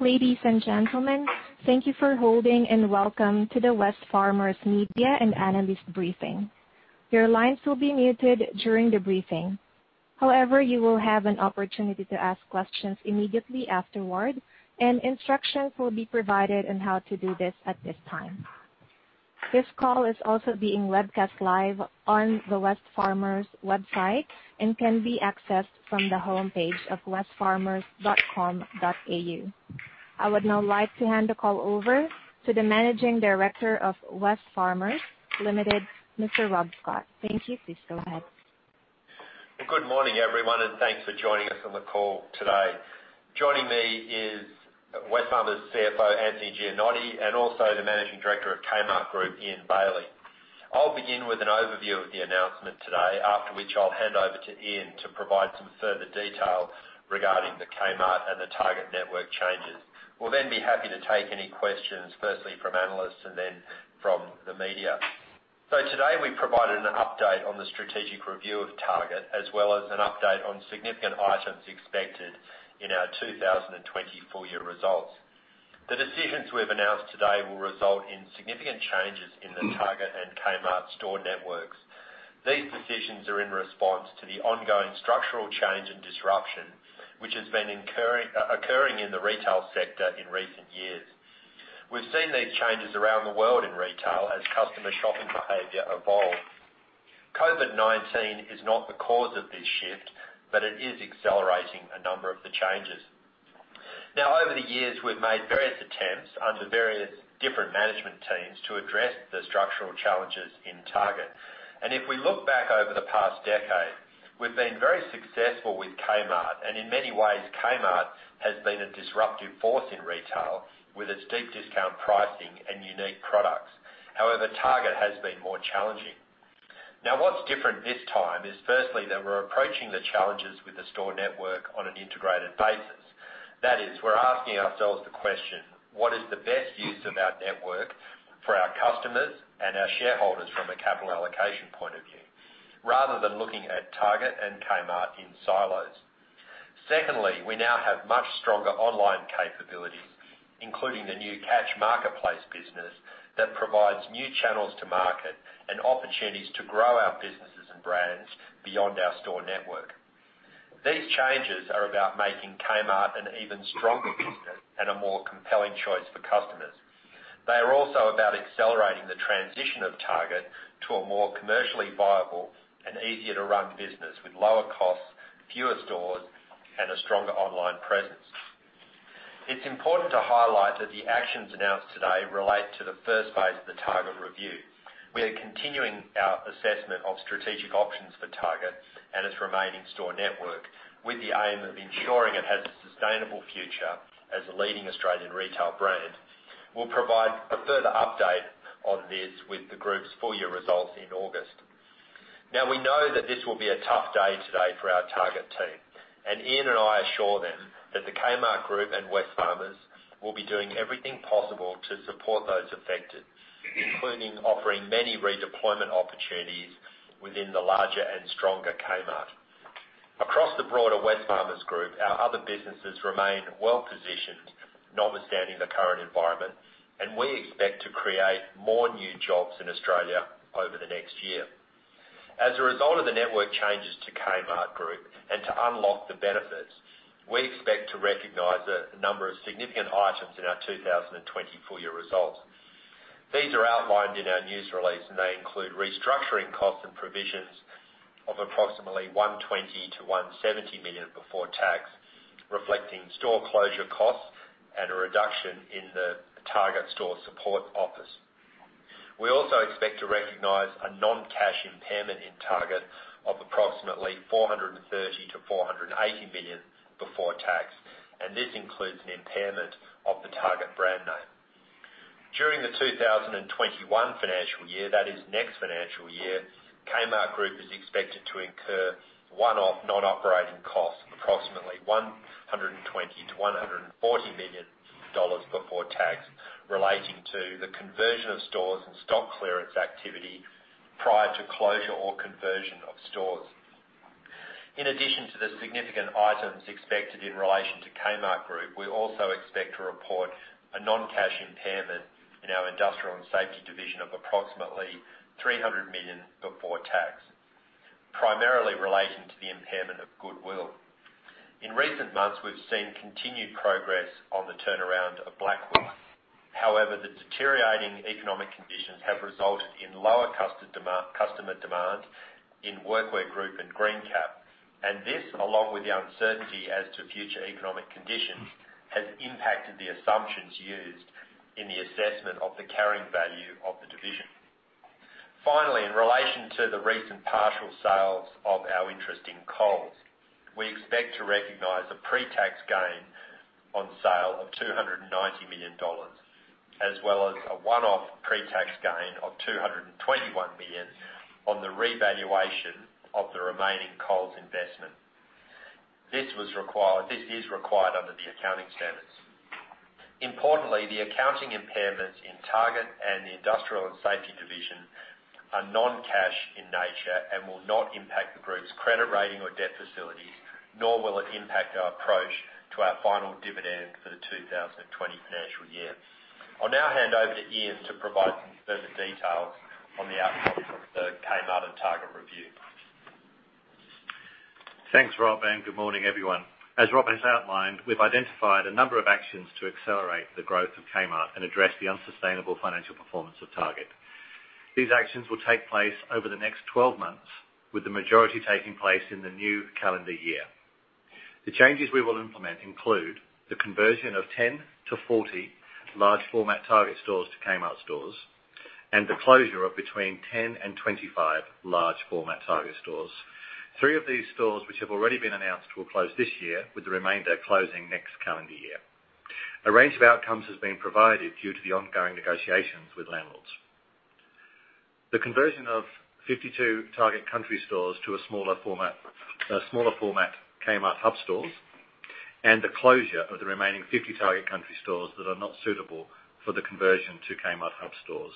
Ladies and gentlemen, thank you for holding and welcome to the Wesfarmers Media and Analyst Briefing. Your lines will be muted during the briefing. However, you will have an opportunity to ask questions immediately afterward, and instructions will be provided on how to do this at this time. This call is also being webcast live on the Wesfarmers website and can be accessed from the homepage of wesfarmers.com.au. I would now like to hand the call over to the Managing Director of Wesfarmers Limited, Mr. Rob Scott. Thank you. Please go ahead. Good morning, everyone, and thanks for joining us on the call today. Joining me is Wesfarmers CFO, Anthony Gianotti, and also the Managing Director of Kmart Group, Ian Bailey. I'll begin with an overview of the announcement today, after which I'll hand over to Ian to provide some further detail regarding the Kmart and the Target network changes. We'll then be happy to take any questions, firstly from analysts and then from the media. Today we provide an update on the strategic review of Target, as well as an update on significant items expected in our 2020 full-year results. The decisions we've announced today will result in significant changes in the Target and Kmart store networks. These decisions are in response to the ongoing structural change and disruption which has been occurring in the retail sector in recent years. We've seen these changes around the world in retail as customer shopping behavior evolves. COVID-19 is not the cause of this shift, but it is accelerating a number of the changes. Now, over the years, we've made various attempts under various different management teams to address the structural challenges in Target. If we look back over the past decade, we've been very successful with Kmart, and in many ways, Kmart has been a disruptive force in retail with its deep discount pricing and unique products. However, Target has been more challenging. Now, what's different this time is, firstly, that we're approaching the challenges with the store network on an integrated basis. That is, we're asking ourselves the question, "What is the best use of our network for our customers and our shareholders from a capital allocation point of view?" rather than looking at Target and Kmart in silos. Secondly, we now have much stronger online capabilities, including the new Catch marketplace business that provides new channels to market and opportunities to grow our businesses and brands beyond our store network. These changes are about making Kmart an even stronger business and a more compelling choice for customers. They are also about accelerating the transition of Target to a more commercially viable and easier-to-run business with lower costs, fewer stores, and a stronger online presence. It's important to highlight that the actions announced today relate to the first phase of the Target review. We are continuing our assessment of strategic options for Target and its remaining store network with the aim of ensuring it has a sustainable future as a leading Australian retail brand. We'll provide a further update on this with the group's full-year results in August. Now, we know that this will be a tough day today for our Target team, and Ian and I assure them that the Kmart Group and Wesfarmers will be doing everything possible to support those affected, including offering many redeployment opportunities within the larger and stronger Kmart. Across the broader Wesfarmers Group, our other businesses remain well-positioned notwithstanding the current environment, and we expect to create more new jobs in Australia over the next year. As a result of the network changes to Kmart Group and to unlock the benefits, we expect to recognize a number of significant items in our 2020 full-year results. These are outlined in our news release, and they include restructuring costs and provisions of approximately 120 million-170 million before tax, reflecting store closure costs and a reduction in the Target store support office. We also expect to recognize a non-cash impairment in Target of approximately 430 million-480 million before tax, and this includes an impairment of the Target brand name. During the 2021 financial year, that is, next financial year, Kmart Group is expected to incur one-off non-operating costs of approximately 120 million-140 million dollars before tax relating to the conversion of stores and stock clearance activity prior to closure or conversion of stores. In addition to the significant items expected in relation to Kmart Group, we also expect to report a non-cash impairment in our Industrial and Safety division of approximately 300 million before tax, primarily relating to the impairment of Goodwill. In recent months, we've seen continued progress on the turnaround of Blackwell. However, the deteriorating economic conditions have resulted in lower customer demand in Workwear Group and Greencap, and this, along with the uncertainty as to future economic conditions, has impacted the assumptions used in the assessment of the carrying value of the division. Finally, in relation to the recent partial sales of our interest in Coles, we expect to recognize a pre-tax gain on sale of 290 million dollars, as well as a one-off pre-tax gain of 221 million on the revaluation of the remaining Coles investment. This is required under the accounting standards. Importantly, the accounting impairments in Target and the Industrial and Safety division are non-cash in nature and will not impact the group's credit rating or debt facilities, nor will it impact our approach to our final dividend for the 2020 financial year. I'll now hand over to Ian to provide some further details on the outcomes of the Kmart and Target review. Thanks, Rob, and good morning, everyone. As Rob has outlined, we've identified a number of actions to accelerate the growth of Kmart and address the unsustainable financial performance of Target. These actions will take place over the next 12 months, with the majority taking place in the new calendar year. The changes we will implement include the conversion of 10-40 large-format Target stores to Kmart stores and the closure of between 10 and 25 large-format Target stores. Three of these stores, which have already been announced, will close this year, with the remainder closing next calendar year. A range of outcomes has been provided due to the ongoing negotiations with landlords. The conversion of 52 Target country stores to smaller-format Kmart hub stores and the closure of the remaining 50 Target country stores that are not suitable for the conversion to Kmart hub stores.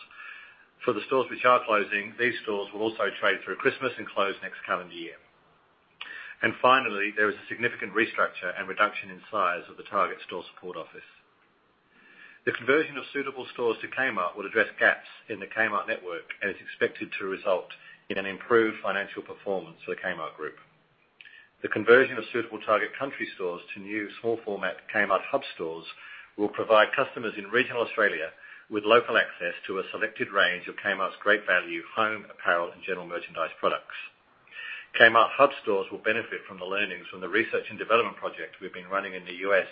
For the stores which are closing, these stores will also trade through Christmas and close next calendar year. Finally, there is a significant restructure and reduction in size of the Target store support office. The conversion of suitable stores to Kmart will address gaps in the Kmart network and is expected to result in an improved financial performance for the Kmart Group. The conversion of suitable Target country stores to new small-format Kmart hub stores will provide customers in regional Australia with local access to a selected range of Kmart's great value home, apparel, and general merchandise products. Kmart hub stores will benefit from the learnings from the research and development project we have been running in the U.S.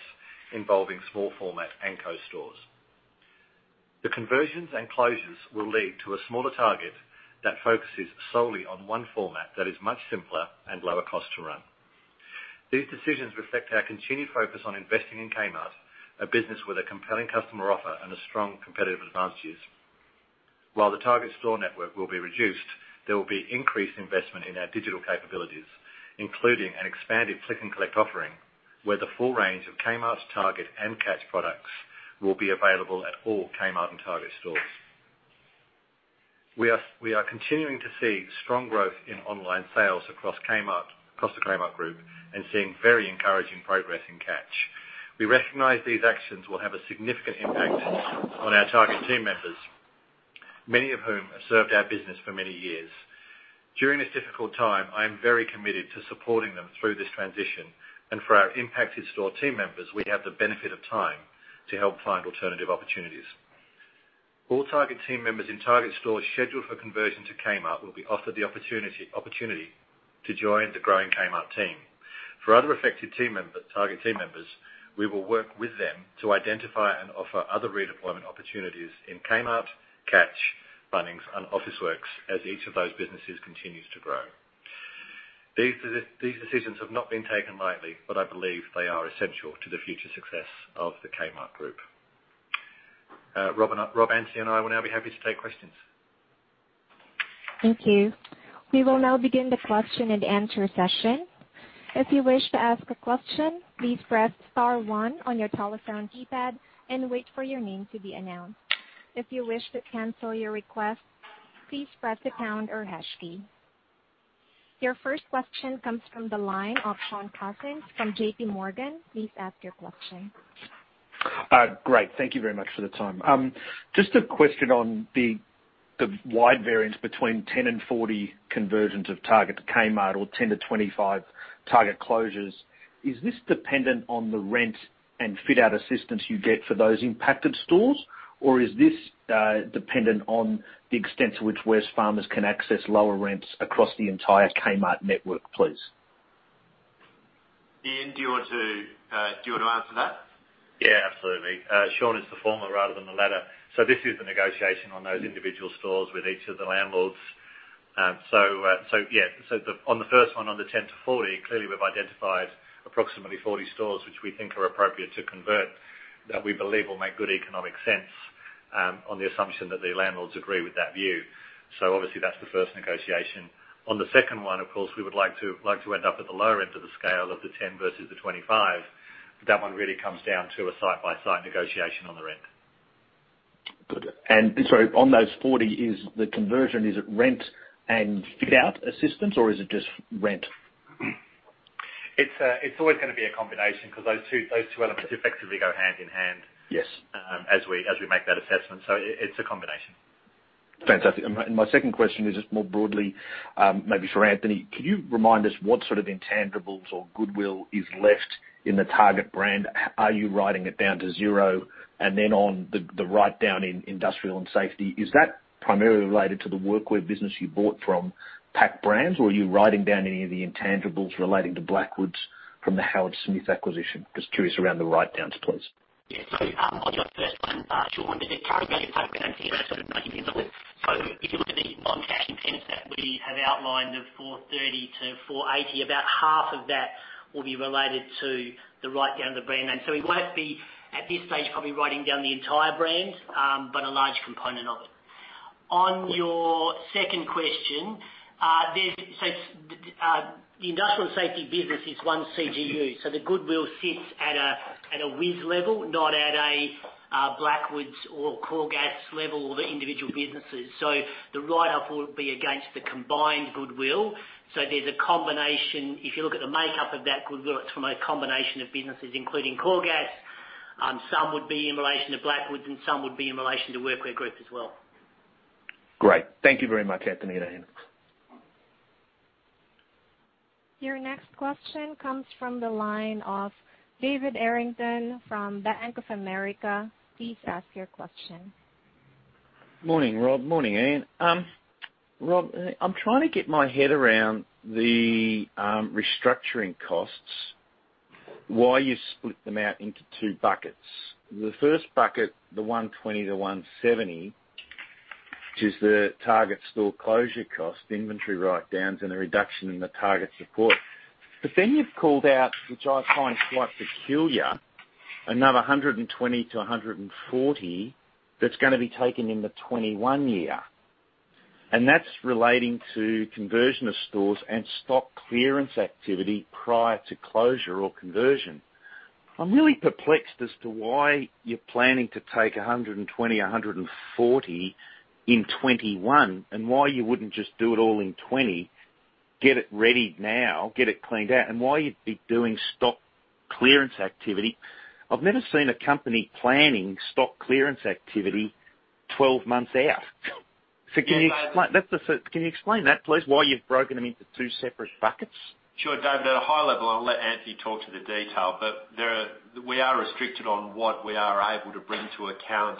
involving small-format Anko stores. The conversions and closures will lead to a smaller Target that focuses solely on one format that is much simpler and lower cost to run. These decisions reflect our continued focus on investing in Kmart, a business with a compelling customer offer and a strong competitive advantage. While the Target store network will be reduced, there will be increased investment in our digital capabilities, including an expanded Click and Collect offering where the full range of Kmart's, Target, and Catch products will be available at all Kmart and Target stores. We are continuing to see strong growth in online sales across the Kmart Group and seeing very encouraging progress in Catch. We recognize these actions will have a significant impact on our Target team members, many of whom have served our business for many years. During this difficult time, I am very committed to supporting them through this transition, and for our impacted store team members, we have the benefit of time to help find alternative opportunities. All Target team members in Target stores scheduled for conversion to Kmart will be offered the opportunity to join the growing Kmart team. For other affected Target team members, we will work with them to identify and offer other redeployment opportunities in Kmart, Catch, Bunnings, and Officeworks as each of those businesses continues to grow. These decisions have not been taken lightly, but I believe they are essential to the future success of the Kmart Group. Rob, Anthony, and I will now be happy to take questions. Thank you. We will now begin the question and answer session. If you wish to ask a question, please press star one on your telephone keypad and wait for your name to be announced. If you wish to cancel your request, please press the pound or hash key. Your first question comes from the line of Shaun Cousins from JPMorgan. Please ask your question. Great. Thank you very much for the time. Just a question on the wide variance between 10 and 40 conversions of Target to Kmart or 10 to 25 Target closures. Is this dependent on the rent and fit-out assistance you get for those impacted stores, or is this dependent on the extent to which Wesfarmers can access lower rents across the entire Kmart network, please? Ian, do you want to answer that? Yeah, absolutely. Shaun is the former rather than the latter. This is the negotiation on those individual stores with each of the landlords. On the first one, on the 10-40, clearly we've identified approximately 40 stores which we think are appropriate to convert that we believe will make good economic sense on the assumption that the landlords agree with that view. Obviously, that's the first negotiation. On the second one, of course, we would like to end up at the lower end of the scale of the 10 versus the 25. That one really comes down to a side-by-side negotiation on the rent. Good. Sorry, on those 40, is the conversion, is it rent and fit-out assistance, or is it just rent? It's always going to be a combination because those two elements effectively go hand in hand as we make that assessment. It is a combination. Fantastic. My second question is just more broadly, maybe for Anthony, could you remind us what sort of intangibles or Goodwill is left in the Target brand? Are you writing it down to zero? On the write-down in industrial and safety, is that primarily related to the Workwear business you bought from Pac Brands, or are you writing down any of the intangibles relating to Blackwoods from the Howard Smith acquisition? Just curious around the write-downs, please. Yeah. On your first one, Shaun, did it currently have a Pacbrands in the next sort of 90 years or less? If you look at the non-cash intents that we have outlined of 430 million-480 million, about half of that will be related to the write-down of the brand. We will not be, at this stage, probably writing down the entire brand, but a large component of it. On your second question, the Industrial and Safety business is one CGU. The Goodwill sits at a Wes level, not at a Blackwoods or Coregas level or the individual businesses. The write-off will be against the combined Goodwill. There is a combination. If you look at the makeup of that Goodwill, it is from a combination of businesses, including Coregas. Some would be in relation to Blackwoods, and some would be in relation to Workwear Group as well. Great. Thank you very much, Anthony and Ian. Your next question comes from the line of David Errington from Bank of America. Please ask your question. Morning, Rob. Morning, Ian. Rob, I'm trying to get my head around the restructuring costs, why you split them out into two buckets. The first bucket, the 120 million-170 million, which is the Target store closure cost, inventory write-downs, and the reduction in the Target support. But then you've called out, which I find quite peculiar, another 120 million-140 million that's going to be taken in the 2021 year. And that's relating to conversion of stores and stock clearance activity prior to closure or conversion. I'm really perplexed as to why you're planning to take 120 million-140 million in 2021 and why you wouldn't just do it all in 2020, get it ready now, get it cleaned out, and why you'd be doing stock clearance activity. I've never seen a company planning stock clearance activity 12 months out. Can you explain that, please, why you've broken them into two separate buckets? Sure, David. At a high level, I'll let Anthony talk to the detail, but we are restricted on what we are able to bring to account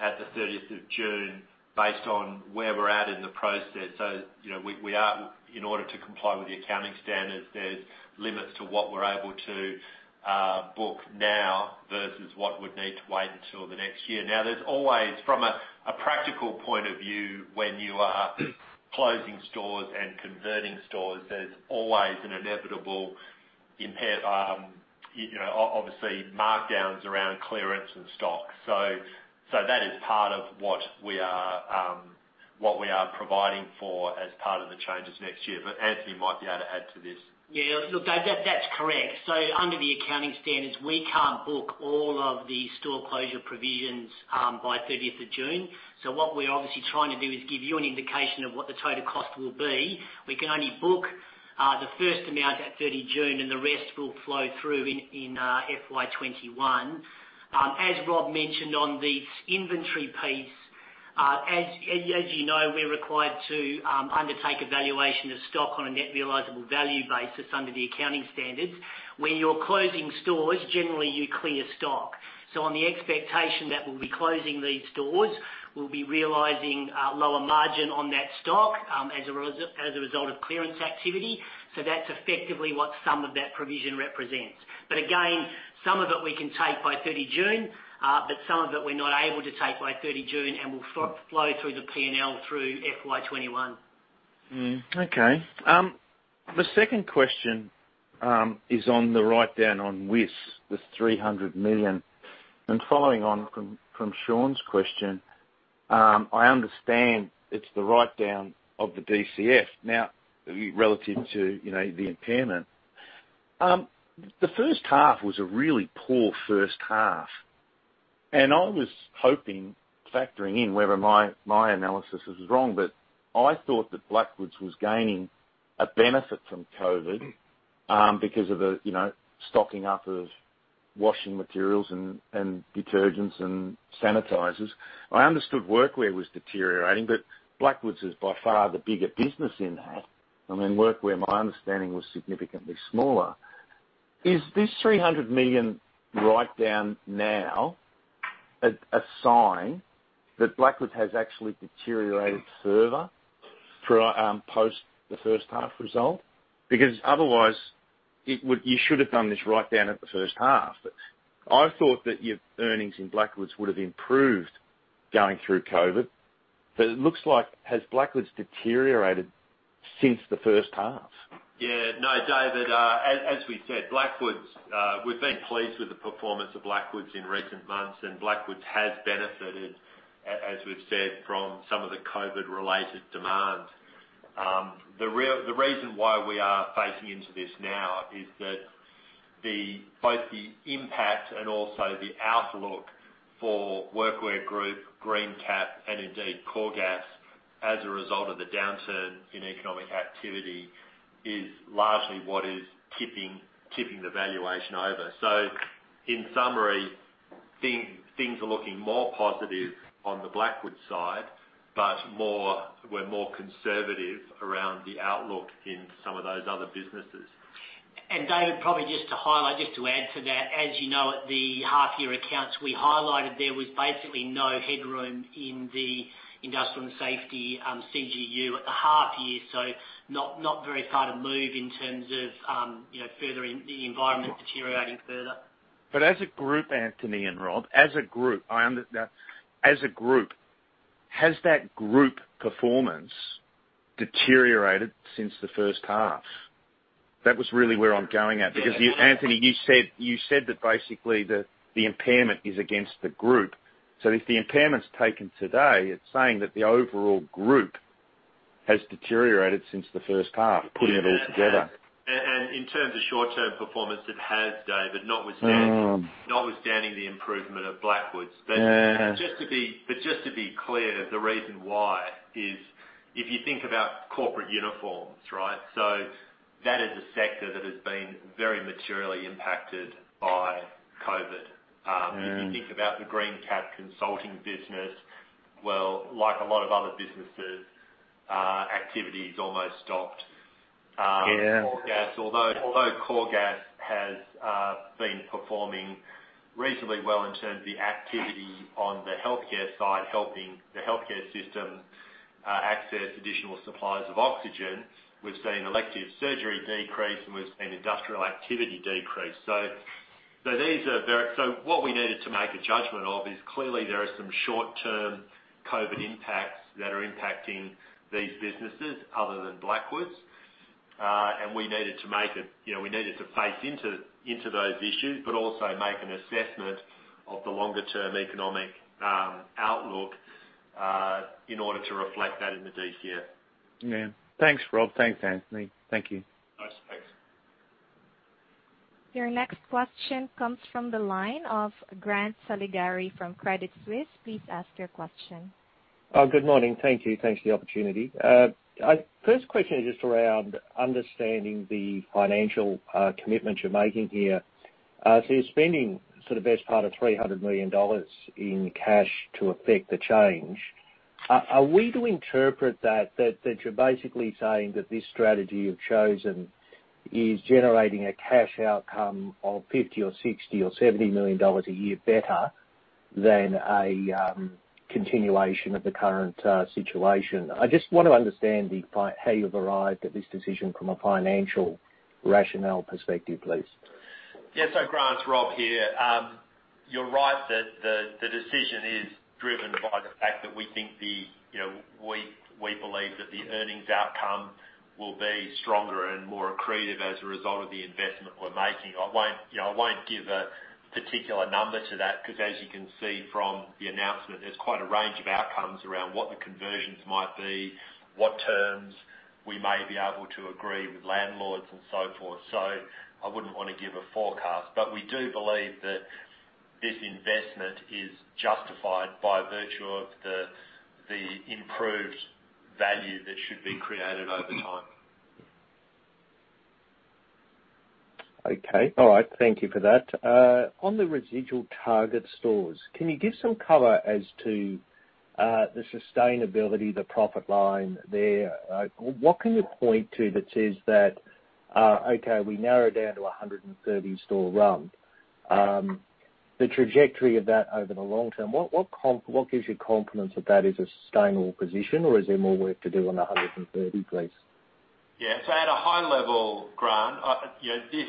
at the 30th of June based on where we're at in the process. In order to comply with the accounting standards, there's limits to what we're able to book now versus what would need to wait until the next year. There's always, from a practical point of view, when you are closing stores and converting stores, there's always an inevitable, obviously, markdowns around clearance and stock. That is part of what we are providing for as part of the changes next year. Anthony might be able to add to this. Yeah. Look, that's correct. Under the accounting standards, we can't book all of the store closure provisions by 30 June. What we're obviously trying to do is give you an indication of what the total cost will be. We can only book the first amount at 30 June, and the rest will flow through in FY 2021. As Rob mentioned on the inventory piece, as you know, we're required to undertake evaluation of stock on a net realizable value basis under the accounting standards. When you're closing stores, generally, you clear stock. On the expectation that we'll be closing these stores, we'll be realizing lower margin on that stock as a result of clearance activity. That's effectively what some of that provision represents. Again, some of it we can take by 30 June, but some of it we're not able to take by 30 June, and we'll flow through the P&L through FY 2021. Okay. The second question is on the write-down on Wes, the 300 million. Following on from Shaun's question, I understand it's the write-down of the DCF now relative to the impairment. The first half was a really poor first half. I was hoping, factoring in whether my analysis was wrong, but I thought that Blackwoods was gaining a benefit from COVID because of the stocking up of washing materials and detergents and sanitizers. I understood Workwear was deteriorating, but Blackwoods is by far the bigger business in that. I mean, Workwear, my understanding, was significantly smaller. Is this 300 million write-down now a sign that Blackwoods has actually deteriorated further post the first half result? Because otherwise, you should have done this write-down at the first half. I thought that your earnings in Blackwoods would have improved going through COVID. It looks like has Blackwoods deteriorated since the first half? Yeah. No, David, as we said, Blackwoods, we've been pleased with the performance of Blackwoods in recent months, and Blackwoods has benefited, as we've said, from some of the COVID-related demands. The reason why we are facing into this now is that both the impact and also the outlook for Workwear Group, Greencap, and indeed Coregas as a result of the downturn in economic activity is largely what is tipping the valuation over. In summary, things are looking more positive on the Blackwoods side, but we're more conservative around the outlook in some of those other businesses. David, probably just to highlight, just to add to that, as you know, the half-year accounts we highlighted there was basically no headroom in the Industrial and Safety CGU at the half year. Not very far to move in terms of furthering the environment deteriorating further. As a group, Anthony and Rob, as a group, has that group performance deteriorated since the first half? That was really where I'm going at. Because Anthony, you said that basically the impairment is against the group. So if the impairment's taken today, it's saying that the overall group has deteriorated since the first half, putting it all together. In terms of short-term performance, it has, David, notwithstanding the improvement of Blackwoods. Just to be clear, the reason why is if you think about corporate uniforms, right? That is a sector that has been very materially impacted by COVID. If you think about the Greencap consulting business, like a lot of other businesses, activity's almost stopped. Although Coregas has been performing reasonably well in terms of the activity on the healthcare side, helping the healthcare system access additional supplies of oxygen, we've seen elective surgery decrease and we've seen industrial activity decrease. These are very, so what we needed to make a judgment of is clearly there are some short-term COVID impacts that are impacting these businesses other than Blackwoods. We needed to face into those issues, but also make an assessment of the longer-term economic outlook in order to reflect that in the DCF. Yeah. Thanks, Rob. Thanks, Anthony. Thank you. Nice to meet you. Your next question comes from the line of Grant Saligari from Credit Suisse. Please ask your question. Good morning. Thank you. Thanks for the opportunity. First question is just around understanding the financial commitment you're making here. You're spending sort of the best part of 300 million dollars in cash to affect the change. Are we to interpret that you're basically saying that this strategy you've chosen is generating a cash outcome of 50 million or 60 million or 70 million dollars a year better than a continuation of the current situation? I just want to understand how you've arrived at this decision from a financial rationale perspective, please. Yes. Grant, Rob here. You're right that the decision is driven by the fact that we think, we believe, that the earnings outcome will be stronger and more accretive as a result of the investment we're making. I won't give a particular number to that because, as you can see from the announcement, there's quite a range of outcomes around what the conversions might be, what terms we may be able to agree with landlords, and so forth. I wouldn't want to give a forecast. We do believe that this investment is justified by virtue of the improved value that should be created over time. Okay. All right. Thank you for that. On the residual Target stores, can you give some cover as to the sustainability, the profit line there? What can you point to that says that, okay, we narrow down to a 130 store run? The trajectory of that over the long term, what gives you confidence that that is a sustainable position, or is there more work to do on the 130, please? Yeah. At a high level, Grant, this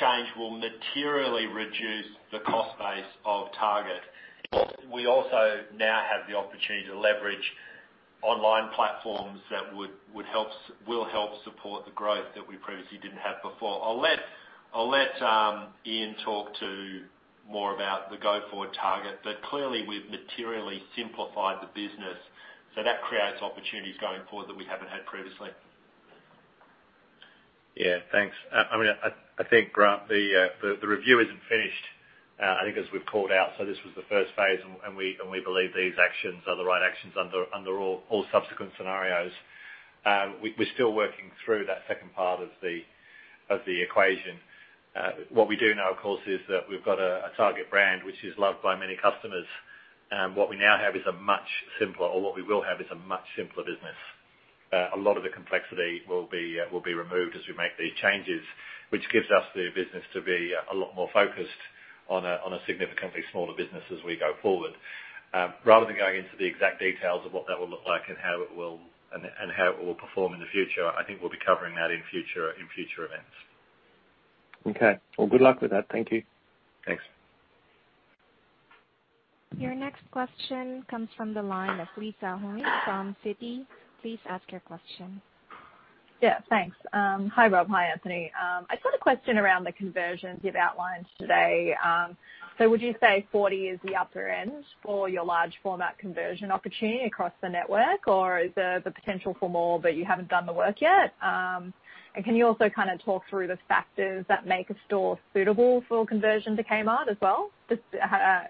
change will materially reduce the cost base of Target. We also now have the opportunity to leverage online platforms that will help support the growth that we previously did not have before. I will let Ian talk to more about the go-forward Target. Clearly, we have materially simplified the business. That creates opportunities going forward that we have not had previously. Yeah. Thanks. I mean, I think, Grant, the review isn't finished. I think as we've called out, this was the first phase, and we believe these actions are the right actions under all subsequent scenarios. We're still working through that second part of the equation. What we do know, of course, is that we've got a Target brand which is loved by many customers. And what we now have is a much simpler or what we will have is a much simpler business. A lot of the complexity will be removed as we make these changes, which gives us the business to be a lot more focused on a significantly smaller business as we go forward. Rather than going into the exact details of what that will look like and how it will perform in the future, I think we'll be covering that in future events. Okay. Good luck with that. Thank you. Thanks. Your next question comes from the line of Lisa Hooney from Citi. Please ask your question. Yeah. Thanks. Hi, Rob. Hi, Anthony. I've got a question around the conversions you've outlined today. Would you say 40 is the upper end for your large-format conversion opportunity across the network, or is there the potential for more, but you haven't done the work yet? Can you also kind of talk through the factors that make a store suitable for conversion to Kmart as well? Just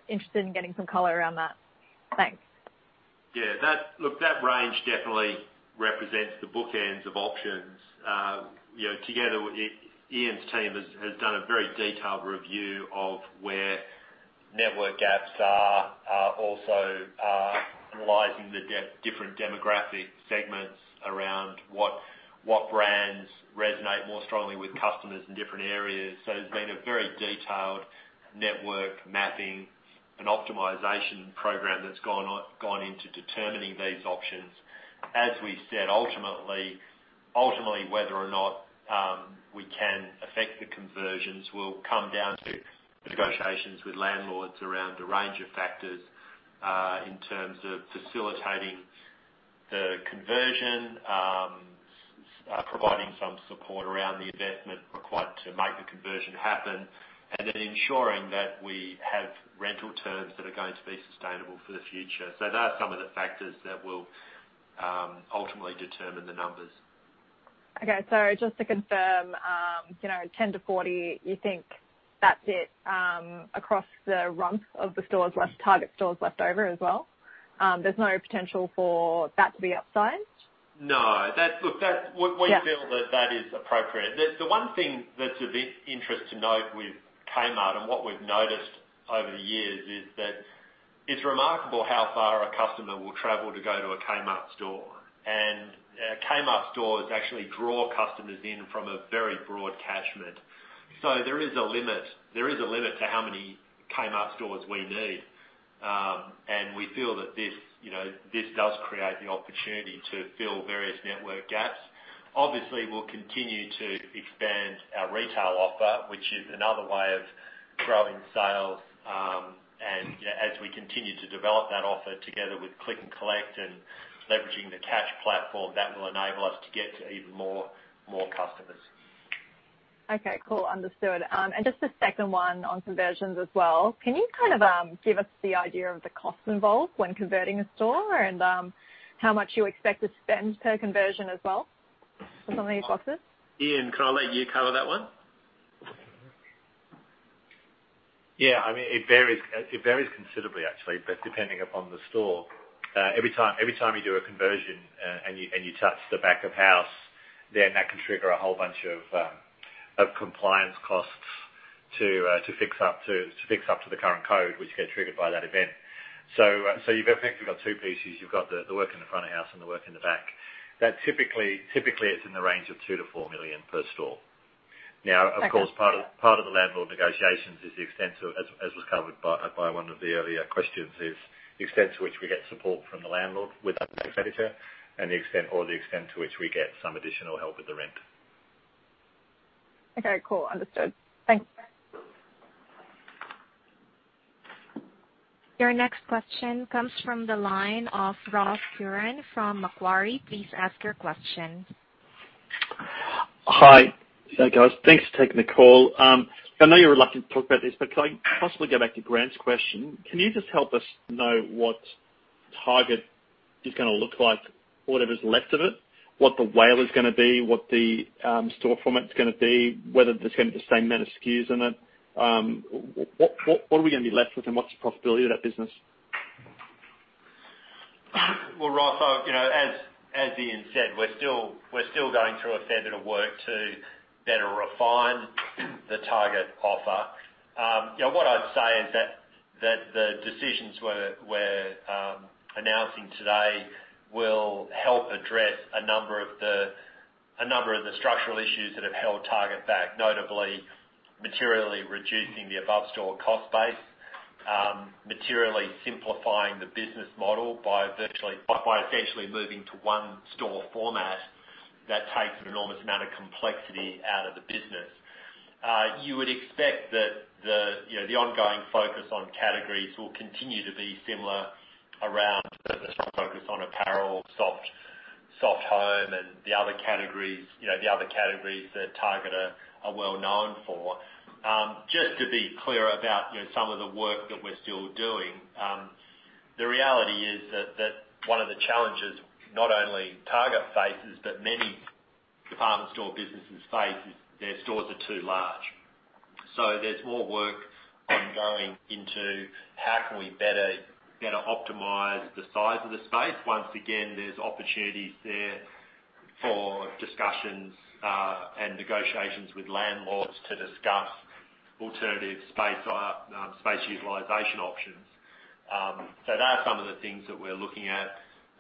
interested in getting some color around that. Thanks. Yeah. Look, that range definitely represents the bookends of options. Together, Ian's team has done a very detailed review of where network gaps are, also analyzing the different demographic segments around what brands resonate more strongly with customers in different areas. There has been a very detailed network mapping and optimization program that's gone into determining these options. As we said, ultimately, whether or not we can affect the conversions will come down to negotiations with landlords around a range of factors in terms of facilitating the conversion, providing some support around the investment required to make the conversion happen, and then ensuring that we have rental terms that are going to be sustainable for the future. Those are some of the factors that will ultimately determine the numbers. Okay. Just to confirm, 10-40, you think that's it across the rump of the Target stores left over as well? There's no potential for that to be upsized? No. Look, we feel that that is appropriate. The one thing that's of interest to note with Kmart and what we've noticed over the years is that it's remarkable how far a customer will travel to go to a Kmart store. And Kmart stores actually draw customers in from a very broad catchment. There is a limit. There is a limit to how many Kmart stores we need. We feel that this does create the opportunity to fill various network gaps. Obviously, we'll continue to expand our retail offer, which is another way of growing sales. As we continue to develop that offer together with Click and Collect and leveraging the Catch platform, that will enable us to get to even more customers. Okay. Cool. Understood. Just a second one on conversions as well. Can you kind of give us the idea of the costs involved when converting a store and how much you expect to spend per conversion as well? Something in your boxes? Ian, can I let you cover that one? Yeah. I mean, it varies considerably, actually, depending upon the store. Every time you do a conversion and you touch the back of house, then that can trigger a whole bunch of compliance costs to fix up to the current code, which gets triggered by that event. You have two pieces. You have the work in the front of house and the work in the back. Typically, it is in the range of 2 million-4 million per store. Now, of course, part of the landlord negotiations is the extent to, as was covered by one of the earlier questions, is the extent to which we get support from the landlord with that credit card and the extent to which we get some additional help with the rent. Okay. Cool. Understood. Thanks. Your next question comes from the line of Ross Curran from Macquarie. Please ask your question. Hi. Hey, guys. Thanks for taking the call. I know you're reluctant to talk about this, but can I possibly go back to Grant's question? Can you just help us know what Target is going to look like, whatever's left of it, what the whale is going to be, what the store format's going to be, whether there's going to be the same amount of SKUs in it? What are we going to be left with, and what's the profitability of that business? As Ian said, we're still going through a fair bit of work to better refine the Target offer. What I'd say is that the decisions we're announcing today will help address a number of the structural issues that have held Target back, notably materially reducing the above-store cost base, materially simplifying the business model by essentially moving to one store format that takes an enormous amount of complexity out of the business. You would expect that the ongoing focus on categories will continue to be similar around the focus on apparel, soft home, and the other categories that Target are well known for. Just to be clear about some of the work that we're still doing, the reality is that one of the challenges not only Target faces, but many department store businesses face is their stores are too large. There is more work ongoing into how can we better optimize the size of the space. Once again, there are opportunities there for discussions and negotiations with landlords to discuss alternative space utilization options. Those are some of the things that we are looking at.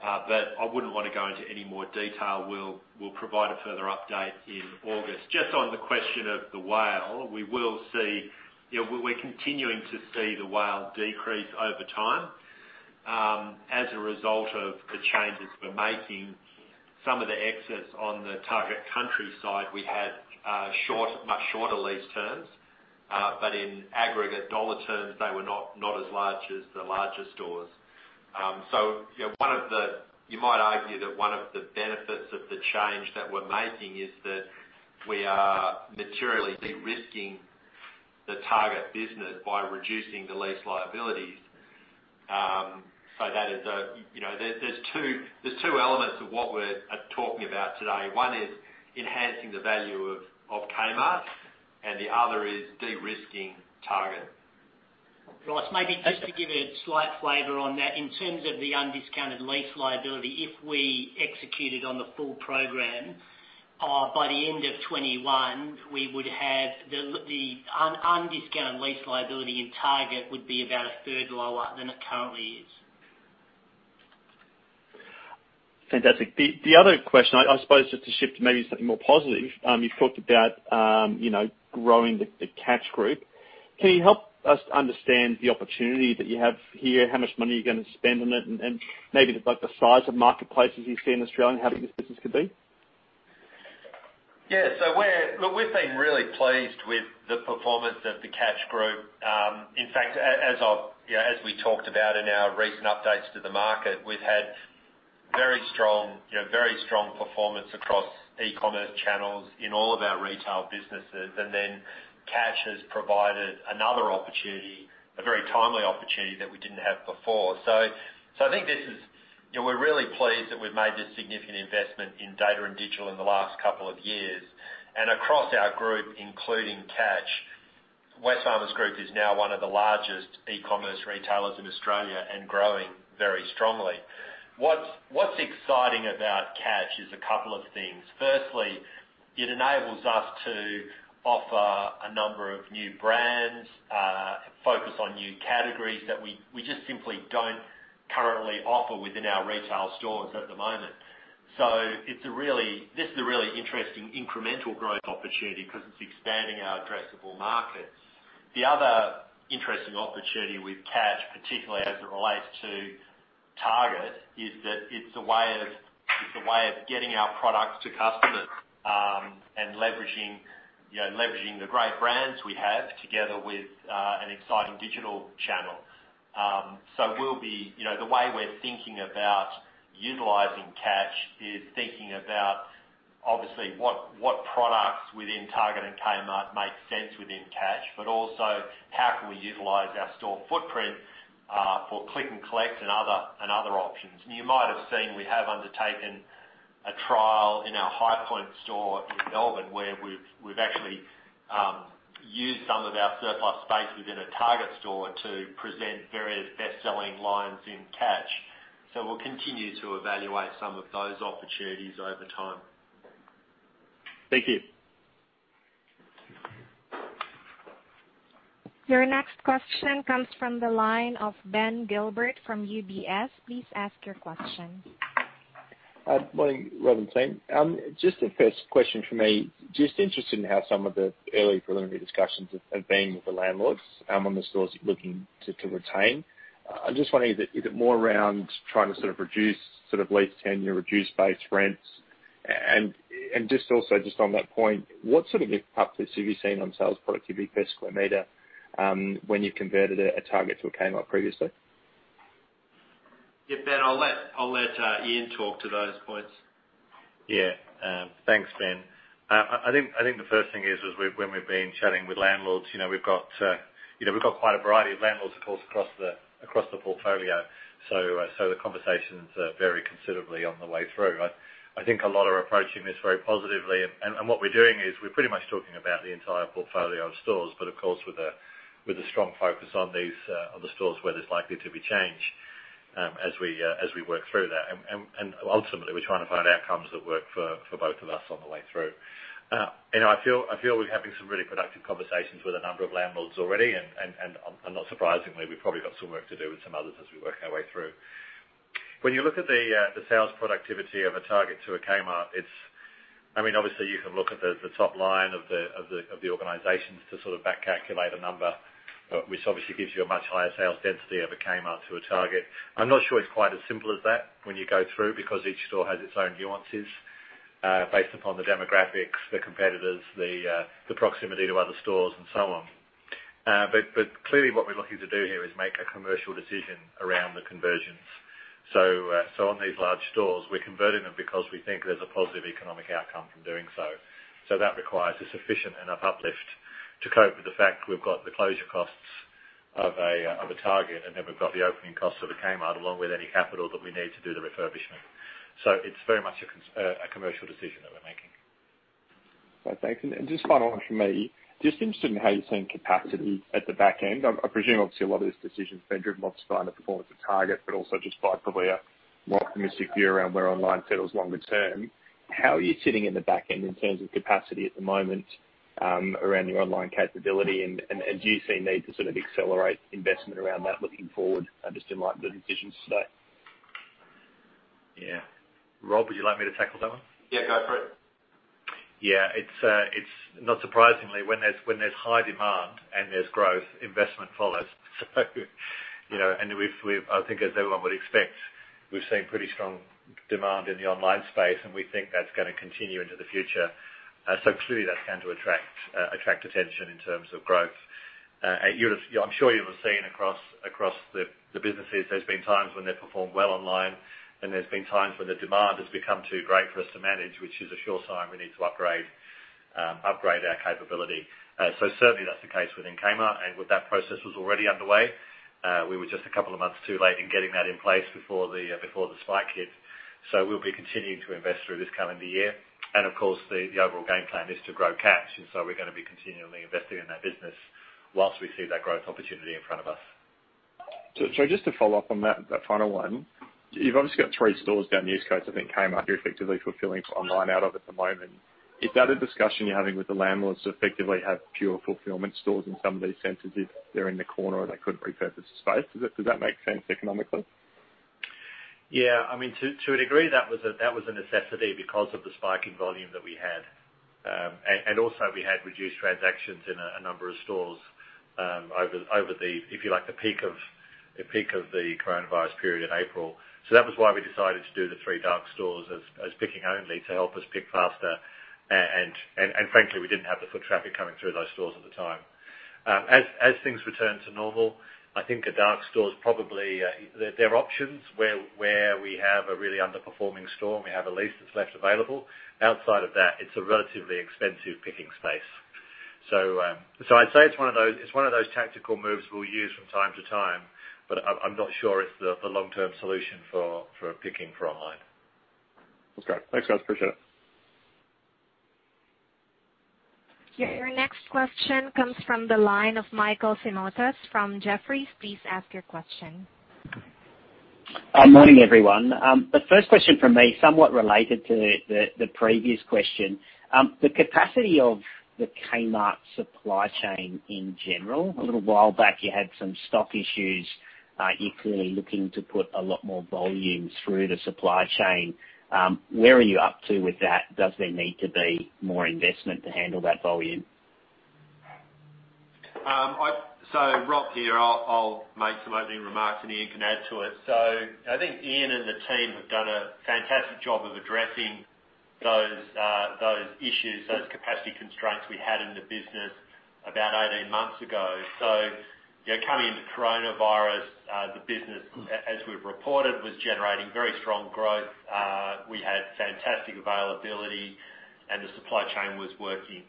I would not want to go into any more detail. We will provide a further update in August. Just on the question of the whale, we will see we are continuing to see the whale decrease over time as a result of the changes we are making. Some of the exits on the Target country side, we had much shorter lease terms. In aggregate dollar terms, they were not as large as the larger stores. You might argue that one of the benefits of the change that we are making is that we are materially de-risking the Target business by reducing the lease liabilities. There are two elements of what we're talking about today. One is enhancing the value of Kmart, and the other is de-risking Target. Ross, maybe just to give a slight flavor on that, in terms of the undiscounted lease liability, if we executed on the full program by the end of 2021, we would have the undiscounted lease liability in Target would be about a third lower than it currently is. Fantastic. The other question, I suppose, just to shift to maybe something more positive, you've talked about growing the Catch Group. Can you help us understand the opportunity that you have here, how much money you're going to spend on it, and maybe the size of marketplaces you see in Australia and how big this business could be? Yeah. Look, we've been really pleased with the performance of the Catch Group. In fact, as we talked about in our recent updates to the market, we've had very strong performance across e-commerce channels in all of our retail businesses. Catch has provided another opportunity, a very timely opportunity that we did not have before. I think we are really pleased that we've made this significant investment in data and digital in the last couple of years. Across our group, including Catch, Wesfarmers Group is now one of the largest e-commerce retailers in Australia and growing very strongly. What's exciting about Catch is a couple of things. Firstly, it enables us to offer a number of new brands, focus on new categories that we just simply do not currently offer within our retail stores at the moment. This is a really interesting incremental growth opportunity because it's expanding our addressable markets. The other interesting opportunity with Catch, particularly as it relates to Target, is that it's a way of getting our products to customers and leveraging the great brands we have together with an exciting digital channel. The way we're thinking about utilizing Catch is thinking about, obviously, what products within Target and Kmart make sense within Catch, but also how can we utilize our store footprint for Click and Collect and other options. You might have seen we have undertaken a trial in our Highpoint store in Melbourne where we've actually used some of our surplus space within a Target store to present various best-selling lines in Catch. We'll continue to evaluate some of those opportunities over time. Thank you. Your next question comes from the line of Ben Gilbert from UBS. Please ask your question. Good morning, Rob and team. Just a first question for me. Just interested in how some of the early preliminary discussions have been with the landlords on the stores looking to retain. I'm just wondering, is it more around trying to sort of reduce lease tenure, reduce base rents? Also, just on that point, what sort of impact have you seen on sales productivity per square meter when you converted a Target to a Kmart previously? Yeah, Ben, I'll let Ian talk to those points. Yeah. Thanks, Ben. I think the first thing is, when we've been chatting with landlords, we've got quite a variety of landlords, of course, across the portfolio. The conversations vary considerably on the way through. I think a lot are approaching this very positively. What we're doing is we're pretty much talking about the entire portfolio of stores, but of course, with a strong focus on the stores where there's likely to be change as we work through that. Ultimately, we're trying to find outcomes that work for both of us on the way through. I feel we're having some really productive conversations with a number of landlords already. Not surprisingly, we've probably got some work to do with some others as we work our way through. When you look at the sales productivity of a Target to a Kmart, I mean, obviously, you can look at the top line of the organizations to sort of back-calculate a number, which obviously gives you a much higher sales density of a Kmart to a Target. I'm not sure it's quite as simple as that when you go through because each store has its own nuances based upon the demographics, the competitors, the proximity to other stores, and so on. Clearly, what we're looking to do here is make a commercial decision around the conversions. On these large stores, we're converting them because we think there's a positive economic outcome from doing so. That requires a sufficient enough uplift to cope with the fact we've got the closure costs of a Target and then we've got the opening costs of a Kmart along with any capital that we need to do the refurbishment. It is very much a commercial decision that we're making. Thanks. Just final one from me. Just interested in how you're seeing capacity at the back end. I presume, obviously, a lot of these decisions have been driven lots by the performance of Target, but also just by probably a more optimistic view around where online sales longer term. How are you sitting in the back end in terms of capacity at the moment around your online capability? Do you see a need to sort of accelerate investment around that looking forward just in light of the decisions today? Yeah. Rob, would you like me to tackle that one? Yeah, go for it. Yeah. Not surprisingly, when there's high demand and there's growth, investment follows. I think, as everyone would expect, we've seen pretty strong demand in the online space, and we think that's going to continue into the future. Clearly, that's going to attract attention in terms of growth. I'm sure you'll have seen across the businesses, there's been times when they've performed well online, and there's been times when the demand has become too great for us to manage, which is a sure sign we need to upgrade our capability. Certainly, that's the case within Kmart. With that process already underway, we were just a couple of months too late in getting that in place before the spike hit. We'll be continuing to invest through this coming year. Of course, the overall game plan is to grow Cash. We're going to be continually investing in that business whilst we see that growth opportunity in front of us. Just to follow up on that final one, you've obviously got three stores down the east coast of Kmart you're effectively fulfilling online out of at the moment. Is that a discussion you're having with the landlords to effectively have pure fulfillment stores in some of these centers if they're in the corner and they couldn't repurpose the space? Does that make sense economically? Yeah. I mean, to a degree, that was a necessity because of the spike in volume that we had. Also, we had reduced transactions in a number of stores over the, if you like, the peak of the coronavirus period in April. That was why we decided to do the three dark stores as picking only to help us pick faster. Frankly, we did not have the foot traffic coming through those stores at the time. As things return to normal, I think a dark store is probably an option where we have a really underperforming store and we have a lease that is left available. Outside of that, it is a relatively expensive picking space. I would say it is one of those tactical moves we will use from time to time, but I am not sure it is the long-term solution for picking for online. That's great. Thanks, guys. Appreciate it. Your next question comes from the line of Michael Simotas from Jefferies. Please ask your question. Morning, everyone. The first question from me, somewhat related to the previous question. The capacity of the Kmart supply chain in general, a little while back, you had some stock issues. You're clearly looking to put a lot more volume through the supply chain. Where are you up to with that? Does there need to be more investment to handle that volume? Rob here, I'll make some opening remarks and Ian can add to it. I think Ian and the team have done a fantastic job of addressing those issues, those capacity constraints we had in the business about 18 months ago. Coming into coronavirus, the business, as we've reported, was generating very strong growth. We had fantastic availability, and the supply chain was working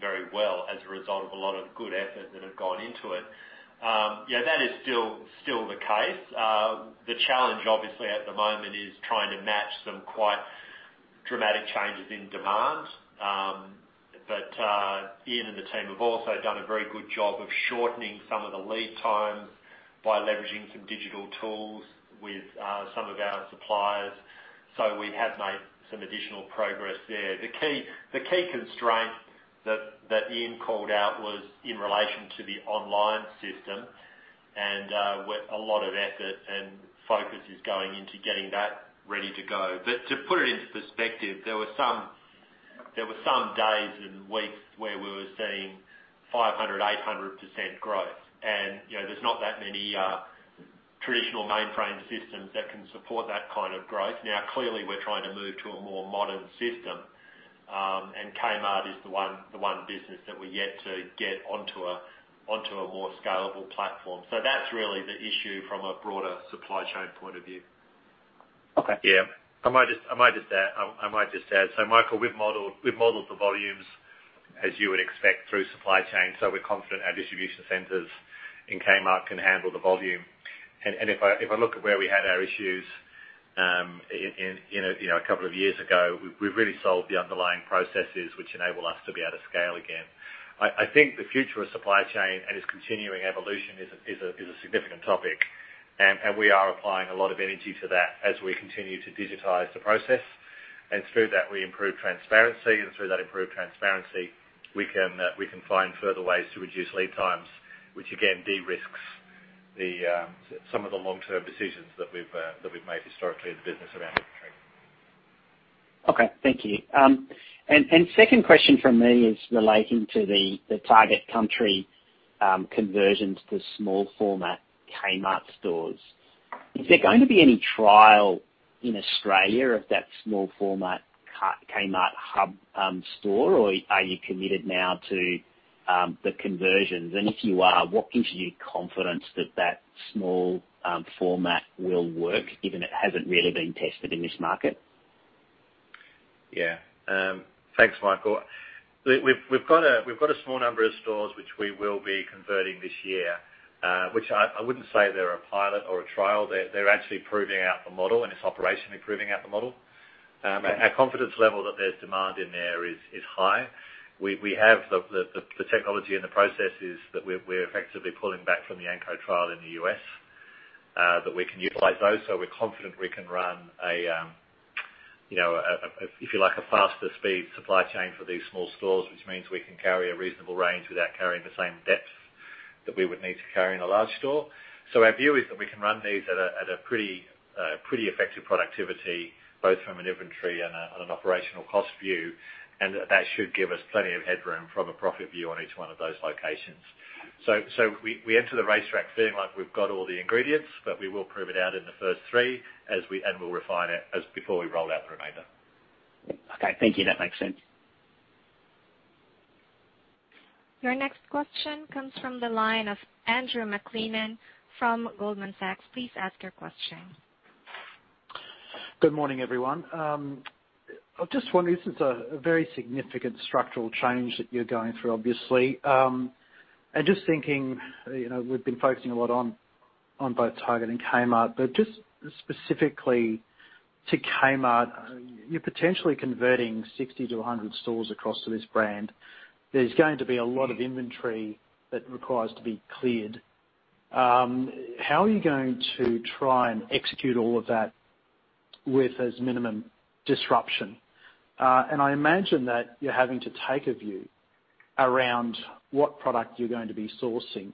very well as a result of a lot of good effort that had gone into it. That is still the case. The challenge, obviously, at the moment is trying to match some quite dramatic changes in demand. Ian and the team have also done a very good job of shortening some of the lead time by leveraging some digital tools with some of our suppliers. We have made some additional progress there. The key constraint that Ian called out was in relation to the online system. A lot of effort and focus is going into getting that ready to go. To put it into perspective, there were some days and weeks where we were seeing 500%-800% growth. There are not that many traditional mainframe systems that can support that kind of growth. Now, clearly, we are trying to move to a more modern system. Kmart is the one business that we are yet to get onto a more scalable platform. That is really the issue from a broader supply chain point of view. Okay. Yeah. I might just add. Michael, we've modeled the volumes, as you would expect, through supply chain. We're confident our distribution centers in Kmart can handle the volume. If I look at where we had our issues a couple of years ago, we've really solved the underlying processes which enable us to be able to scale again. I think the future of supply chain and its continuing evolution is a significant topic. We are applying a lot of energy to that as we continue to digitize the process. Through that, we improve transparency. Through that improved transparency, we can find further ways to reduce lead times, which again de-risk some of the long-term decisions that we've made historically in the business around inventory. Okay. Thank you. Second question from me is relating to the Target country conversions to small-format Kmart stores. Is there going to be any trial in Australia of that small-format Kmart hub store, or are you committed now to the conversions? If you are, what gives you confidence that that small-format will work, given it hasn't really been tested in this market? Yeah. Thanks, Michael. We've got a small number of stores which we will be converting this year, which I wouldn't say they're a pilot or a trial. They're actually proving out the model, and it's operationally proving out the model. Our confidence level that there's demand in there is high. We have the technology and the processes that we're effectively pulling back from the Anko trial in the U.S., but we can utilize those. We're confident we can run a, if you like, a faster-speed supply chain for these small stores, which means we can carry a reasonable range without carrying the same depth that we would need to carry in a large store. Our view is that we can run these at a pretty effective productivity, both from an inventory and an operational cost view. That should give us plenty of headroom from a profit view on each one of those locations. We enter the racetrack feeling like we've got all the ingredients, but we will prove it out in the first three, and we'll refine it before we roll out the remainder. Okay. Thank you. That makes sense. Your next question comes from the line of Andrew McLean from Goldman Sachs. Please ask your question. Good morning, everyone. I'm just wondering, this is a very significant structural change that you're going through, obviously. Just thinking, we've been focusing a lot on both Target and Kmart, but just specifically to Kmart, you're potentially converting 60-100 stores across to this brand. There's going to be a lot of inventory that requires to be cleared. How are you going to try and execute all of that with as minimum disruption? I imagine that you're having to take a view around what product you're going to be sourcing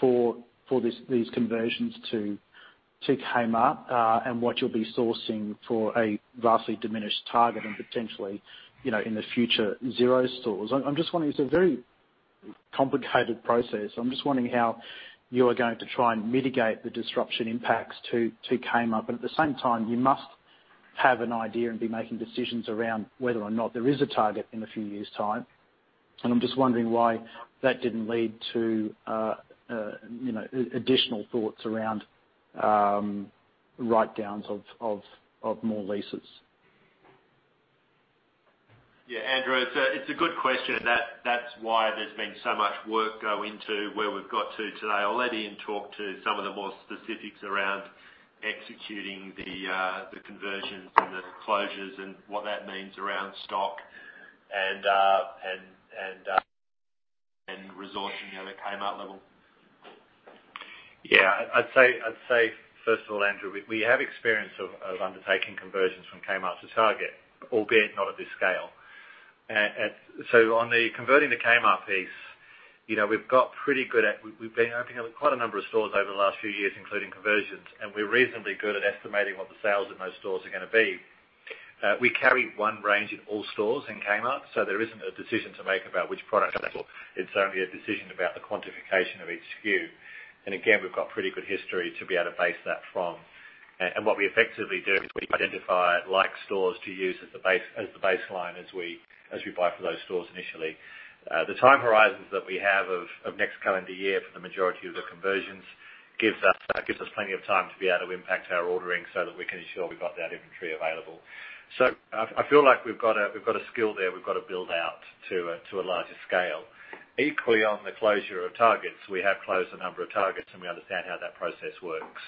for these conversions to Kmart and what you'll be sourcing for a vastly diminished Target and potentially, in the future, zero stores. I'm just wondering, it's a very complicated process. I'm just wondering how you are going to try and mitigate the disruption impacts to Kmart. At the same time, you must have an idea and be making decisions around whether or not there is a Target in a few years' time. I'm just wondering why that didn't lead to additional thoughts around write-downs of more leases. Yeah, Andrew. It's a good question. That is why there's been so much work go into where we've got to today. I'll let Ian talk to some of the more specifics around executing the conversions and the closures and what that means around stock and resourcing at the Kmart level. Yeah. I'd say, first of all, Andrew, we have experience of undertaking conversions from Kmart to Target, albeit not at this scale. On the converting to Kmart piece, we've got pretty good at it. We've been opening up quite a number of stores over the last few years, including conversions. We're reasonably good at estimating what the sales in those stores are going to be. We carry one range in all stores in Kmart, so there isn't a decision to make about which product at all. It's only a decision about the quantification of each SKU. Again, we've got pretty good history to be able to base that from. What we effectively do is we identify like stores to use as the baseline as we buy for those stores initially. The time horizons that we have of next calendar year for the majority of the conversions gives us plenty of time to be able to impact our ordering so that we can ensure we've got that inventory available. I feel like we've got a skill there we've got to build out to a larger scale. Equally, on the closure of Targets, we have closed a number of Targets, and we understand how that process works.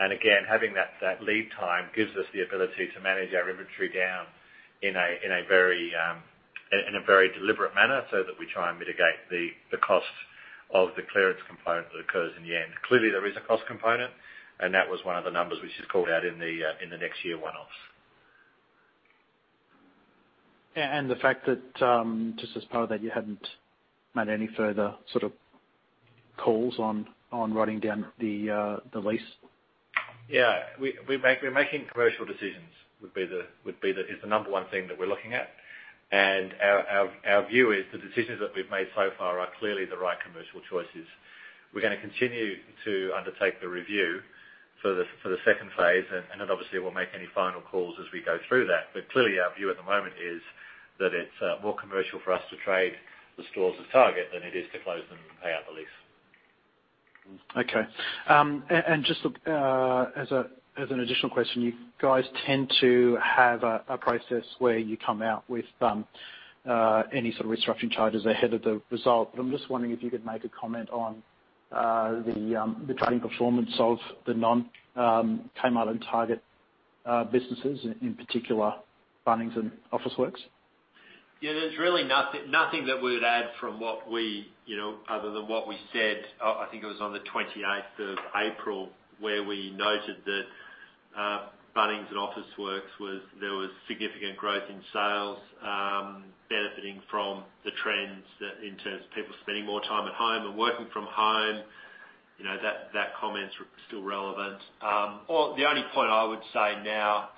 Again, having that lead time gives us the ability to manage our inventory down in a very deliberate manner so that we try and mitigate the cost of the clearance component that occurs in the end. Clearly, there is a cost component, and that was one of the numbers which is called out in the next year one-offs. The fact that, just as part of that, you hadn't made any further sort of calls on writing down the lease? Yeah. We're making commercial decisions would be the number one thing that we're looking at. Our view is the decisions that we've made so far are clearly the right commercial choices. We're going to continue to undertake the review for the second phase, and obviously, we'll make any final calls as we go through that. Clearly, our view at the moment is that it's more commercial for us to trade the stores of Target than it is to close them and pay out the lease. Okay. Just as an additional question, you guys tend to have a process where you come out with any sort of restructuring charges ahead of the result. I'm just wondering if you could make a comment on the trading performance of the non-Kmart and Target businesses, in particular, Bunnings and Officeworks. Yeah. There's really nothing that we would add other than what we said. I think it was on the 28th of April where we noted that Bunnings and Officeworks, there was significant growth in sales benefiting from the trends in terms of people spending more time at home and working from home. That comment's still relevant. The only point I would say now,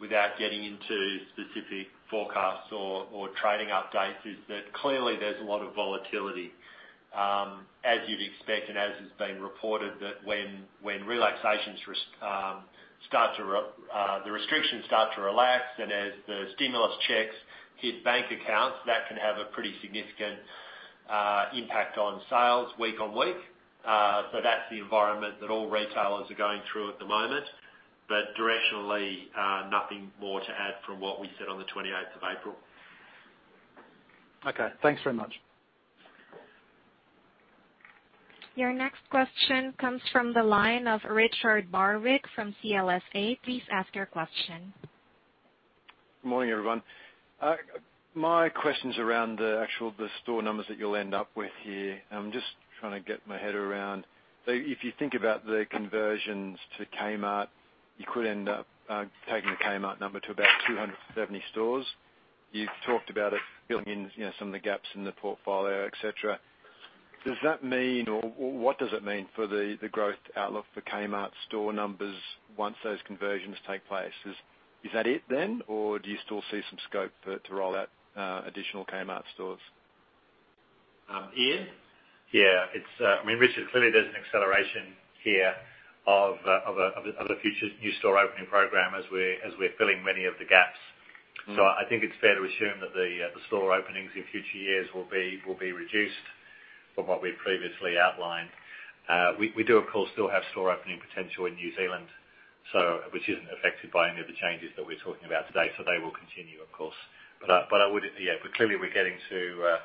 without getting into specific forecasts or trading updates, is that clearly, there's a lot of volatility, as you'd expect and as has been reported, that when relaxations to the restrictions start to relax, and as the stimulus checks hit bank accounts, that can have a pretty significant impact on sales week on week. That's the environment that all retailers are going through at the moment. Directionally, nothing more to add from what we said on the 28th of April. Okay. Thanks very much. Your next question comes from the line of Richard Barwick from CLSA. Please ask your question. Good morning, everyone. My question's around the actual store numbers that you'll end up with here. I'm just trying to get my head around. If you think about the conversions to Kmart, you could end up taking the Kmart number to about 270 stores. You've talked about it, filling in some of the gaps in the portfolio, etc. Does that mean, or what does it mean for the growth outlook for Kmart store numbers once those conversions take place? Is that it then, or do you still see some scope to roll out additional Kmart stores? Ian? Yeah. I mean, Richard, clearly, there's an acceleration here of a future new store opening program as we're filling many of the gaps. I think it's fair to assume that the store openings in future years will be reduced from what we've previously outlined. We do, of course, still have store opening potential in New Zealand, which isn't affected by any of the changes that we're talking about today. They will continue, of course. Yeah, clearly, we're getting to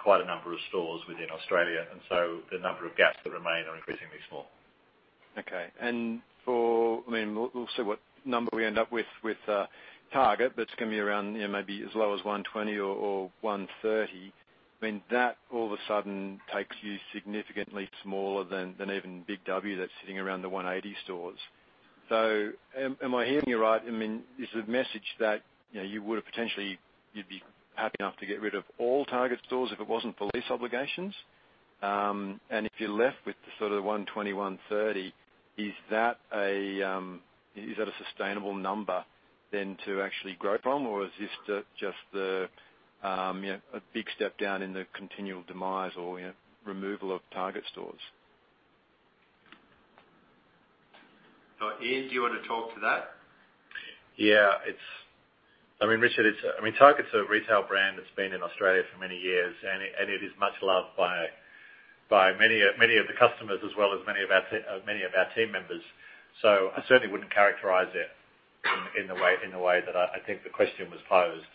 quite a number of stores within Australia. The number of gaps that remain are increasingly small. Okay. I mean, we'll see what number we end up with with Target, but it's going to be around maybe as low as 120 or 130. I mean, that all of a sudden takes you significantly smaller than even Big W that's sitting around the 180 stores. Am I hearing you right? I mean, is the message that you would have potentially you'd be happy enough to get rid of all Target stores if it wasn't for lease obligations? If you're left with sort of the 120, 130, is that a sustainable number then to actually grow from, or is this just a big step down in the continual demise or removal of Target stores? Ian, do you want to talk to that? Yeah. I mean, Richard, I mean, Target's a retail brand that's been in Australia for many years, and it is much loved by many of the customers as well as many of our team members. I certainly would not characterize it in the way that I think the question was posed.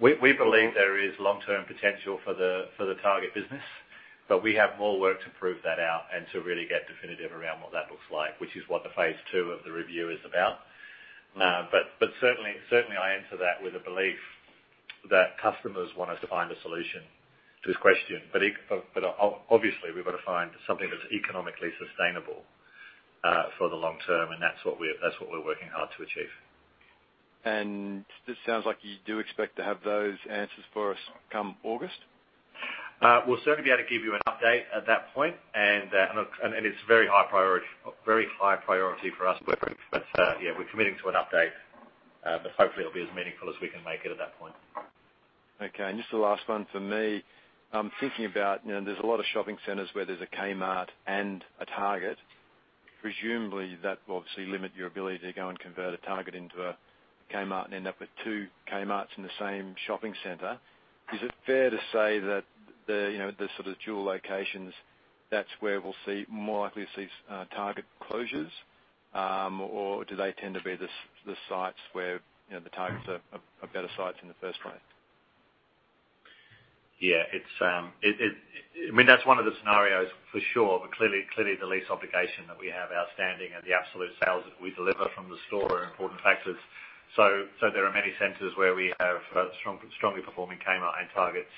We believe there is long-term potential for the Target business, but we have more work to prove that out and to really get definitive around what that looks like, which is what the phase two of the review is about. I enter that with a belief that customers want us to find a solution to this question. Obviously, we have to find something that's economically sustainable for the long term, and that's what we're working hard to achieve. This sounds like you do expect to have those answers for us come August? I will certainly be able to give you an update at that point. It is very high priority for us. Yeah, we are committing to an update. Hopefully, it will be as meaningful as we can make it at that point. Okay. Just the last one for me. I'm thinking about there's a lot of shopping centers where there's a Kmart and a Target. Presumably, that will obviously limit your ability to go and convert a Target into a Kmart and end up with two Kmarts in the same shopping center. Is it fair to say that the sort of dual locations, that's where we'll see more likely to see Target closures, or do they tend to be the sites where the Targets are better sites in the first place? Yeah. I mean, that's one of the scenarios for sure. Clearly, the lease obligation that we have outstanding and the absolute sales that we deliver from the store are important factors. There are many centers where we have strongly performing Kmart and Targets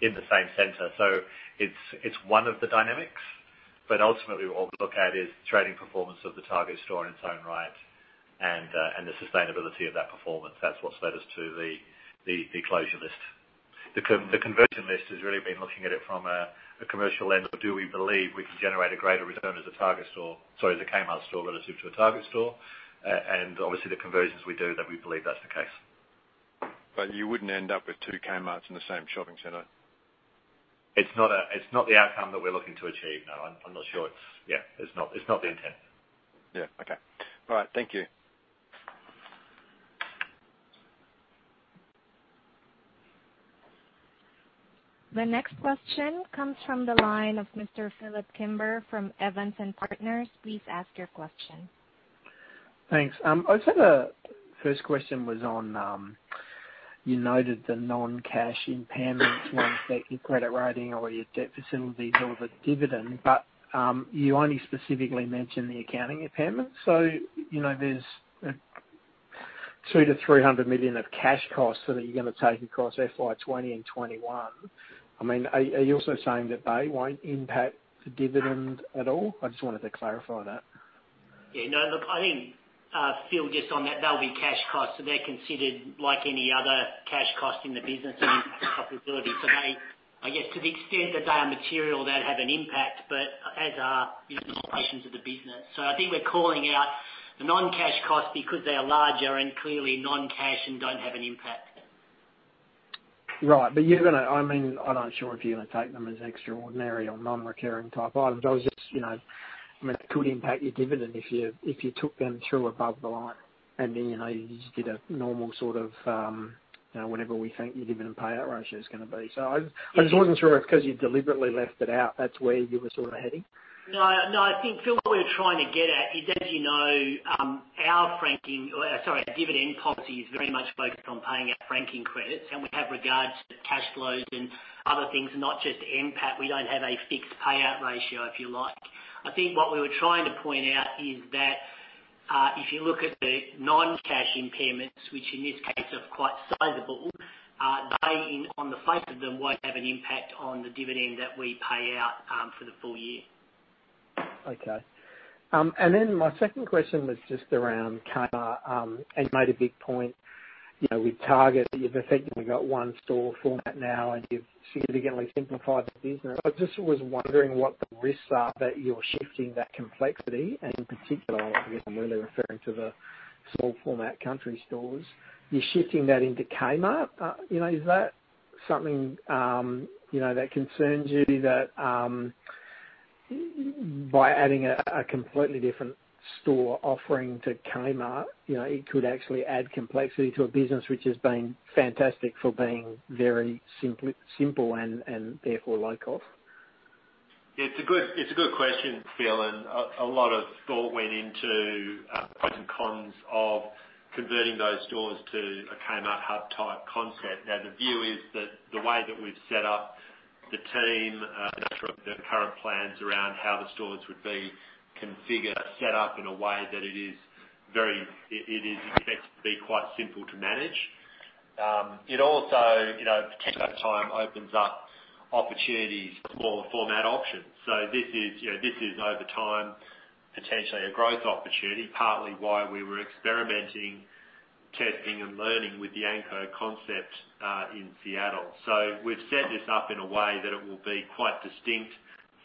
in the same center. It's one of the dynamics. Ultimately, what we look at is trading performance of the Target store in its own right and the sustainability of that performance. That's what's led us to the closure list. The conversion list has really been looking at it from a commercial lens of do we believe we can generate a greater return as a Target store—sorry, as a Kmart store—relative to a Target store? Obviously, the conversions we do, we believe that's the case. You wouldn't end up with two Kmarts in the same shopping center? It's not the outcome that we're looking to achieve. No, I'm not sure. Yeah. It's not the intent. Yeah. Okay. All right. Thank you. The next question comes from the line of Mr. Phillip Kimber from Evans & Partners. Please ask your question. Thanks. I said the first question was on you noted the non-cash impairments, whether that's your credit rating or your debt facilities or the dividend. You only specifically mentioned the accounting impairments. There is 200 million-300 million of cash costs that you're going to take across FY 2020 and 2021. I mean, are you also saying that they won't impact the dividend at all? I just wanted to clarify that. Yeah. No, I think, Phil, just on that, they'll be cash costs. They are considered like any other cash cost in the business and impact profitability. I guess to the extent that they are material, they'd have an impact, as are operations of the business. I think we're calling out the non-cash costs because they are larger and clearly non-cash and do not have an impact. Right. But you're going to, I mean, I'm not sure if you're going to take them as extraordinary or non-recurring type items. I was just, I mean, it could impact your dividend if you took them through above the line. And then you just did a normal sort of whatever we think your dividend payout ratio is going to be. I just wasn't sure if because you deliberately left it out, that's where you were sort of heading. No. No, I think, Phil, what we were trying to get at is, as you know, our franking, or sorry, our dividend policy is very much focused on paying our franking credits. And we have regards to cash flows and other things, not just impact. We do not have a fixed payout ratio, if you like. I think what we were trying to point out is that if you look at the non-cash impairments, which in this case are quite sizable, on the face of them, will not have an impact on the dividend that we pay out for the full year. Okay. My second question was just around Kmart. You made a big point with Target that you've effectively got one store format now, and you've significantly simplified the business. I just was wondering what the risks are that you're shifting that complexity. In particular, I guess I'm really referring to the small-format country stores. You're shifting that into Kmart. Is that something that concerns you, that by adding a completely different store offering to Kmart, it could actually add complexity to a business which has been fantastic for being very simple and therefore low-cost? Yeah. It's a good question, Phil, and a lot of thought went into the pros and cons of converting those stores to a Kmart hub-type concept. The view is that the way that we've set up the team, the current plans around how the stores would be configured, set up in a way that it is effective to be quite simple to manage. It also potentially over time opens up opportunities for format options. This is, over time, potentially a growth opportunity, partly why we were experimenting, testing, and learning with the Anko concept in Seattle. We've set this up in a way that it will be quite distinct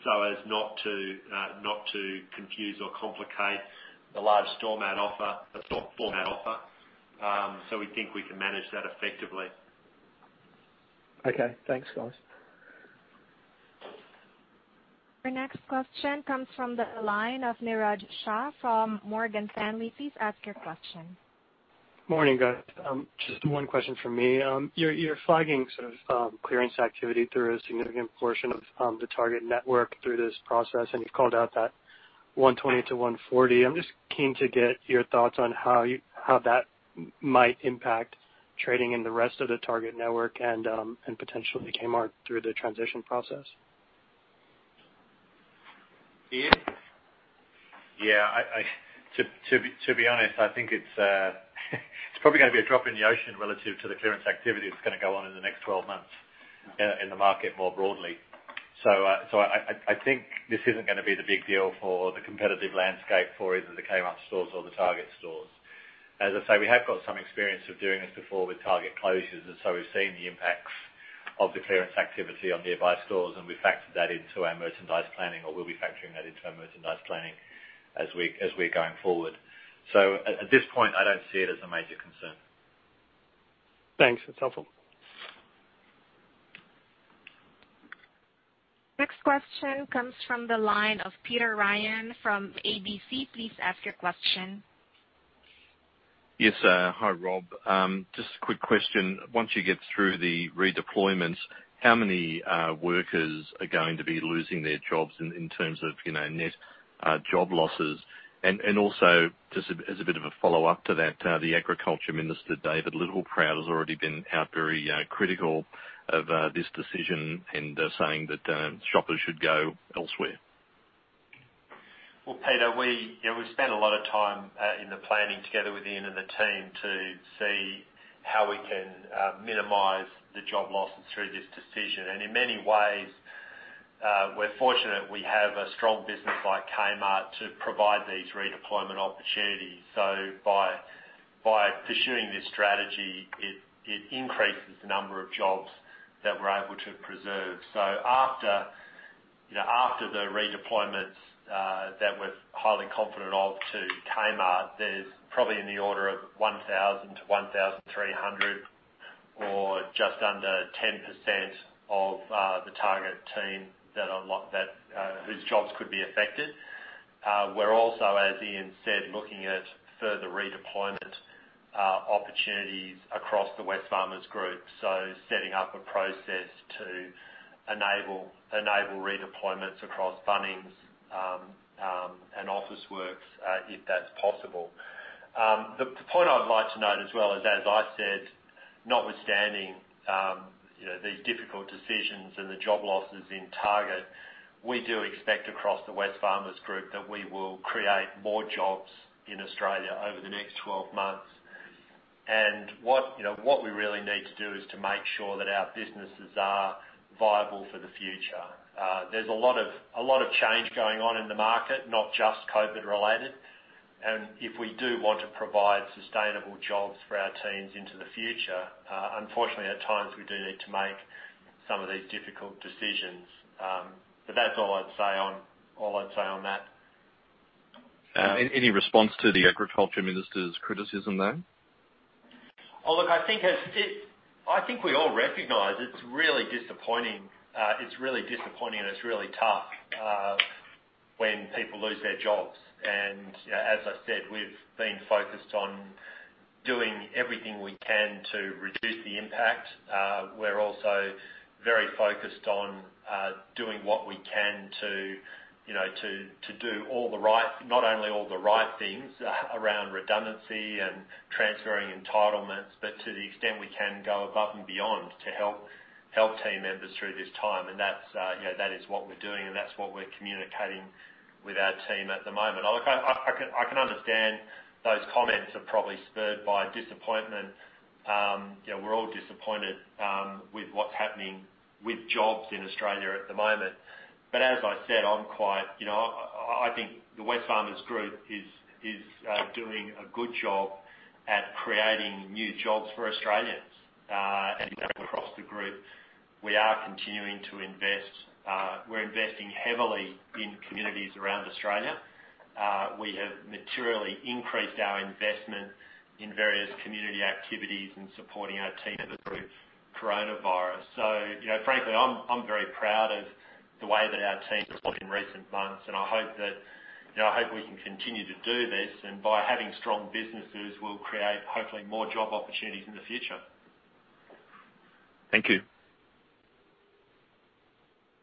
so as not to confuse or complicate the large format offer. We think we can manage that effectively. Okay. Thanks, guys. Your next question comes from the line of Niraj Shah from Morgan Stanley. Please ask your question. Morning, guys. Just one question from me. You're flagging sort of clearance activity through a significant portion of the Target network through this process, and you've called out that 120 million-140 million. I'm just keen to get your thoughts on how that might impact trading in the rest of the Target network and potentially Kmart through the transition process. Ian? Yeah. To be honest, I think it's probably going to be a drop in the ocean relative to the clearance activity that's going to go on in the next 12 months in the market more broadly. I think this isn't going to be the big deal for the competitive landscape for either the Kmart stores or the Target stores. As I say, we have got some experience of doing this before with Target closures. We have seen the impacts of the clearance activity on nearby stores, and we've factored that into our merchandise planning, or we'll be factoring that into our merchandise planning as we're going forward. At this point, I don't see it as a major concern. Thanks. That's helpful. Next question comes from the line of Peter Ryan from ABC. Please ask your question. Yes, sir. Hi, Rob. Just a quick question. Once you get through the redeployments, how many workers are going to be losing their jobs in terms of net job losses? Also, just as a bit of a follow-up to that, the Agriculture Minister, David Littleproud, has already been out very critical of this decision and saying that shoppers should go elsewhere. Peter, we spent a lot of time in the planning together with Ian and the team to see how we can minimize the job losses through this decision. In many ways, we're fortunate we have a strong business like Kmart to provide these redeployment opportunities. By pursuing this strategy, it increases the number of jobs that we're able to preserve. After the redeployments that we're highly confident of to Kmart, there's probably in the order of 1,000-1,300 or just under 10% of the Target team whose jobs could be affected. We're also, as Ian said, looking at further redeployment opportunities across the Wesfarmers Group. Setting up a process to enable redeployments across Bunnings and Officeworks if that's possible. The point I'd like to note as well is, as I said, notwithstanding these difficult decisions and the job losses in Target, we do expect across the Wesfarmers Group that we will create more jobs in Australia over the next 12 months. What we really need to do is to make sure that our businesses are viable for the future. There's a lot of change going on in the market, not just COVID-related. If we do want to provide sustainable jobs for our teams into the future, unfortunately, at times, we do need to make some of these difficult decisions. That's all I'd say on that. Any response to the Agriculture Minister's criticism there? Oh, look, I think we all recognize it's really disappointing. It's really disappointing, and it's really tough when people lose their jobs. As I said, we've been focused on doing everything we can to reduce the impact. We're also very focused on doing what we can to do all the right, not only all the right things around redundancy and transferring entitlements, but to the extent we can go above and beyond to help team members through this time. That is what we're doing, and that's what we're communicating with our team at the moment. I can understand those comments are probably spurred by disappointment. We're all disappointed with what's happening with jobs in Australia at the moment. As I said, I'm quite, I think the Wesfarmers Group is doing a good job at creating new jobs for Australians. Across the group, we are continuing to invest. We're investing heavily in communities around Australia. We have materially increased our investment in various community activities and supporting our team through coronavirus. Frankly, I'm very proud of the way that our team's performed in recent months. I hope we can continue to do this. By having strong businesses, we'll create hopefully more job opportunities in the future. Thank you.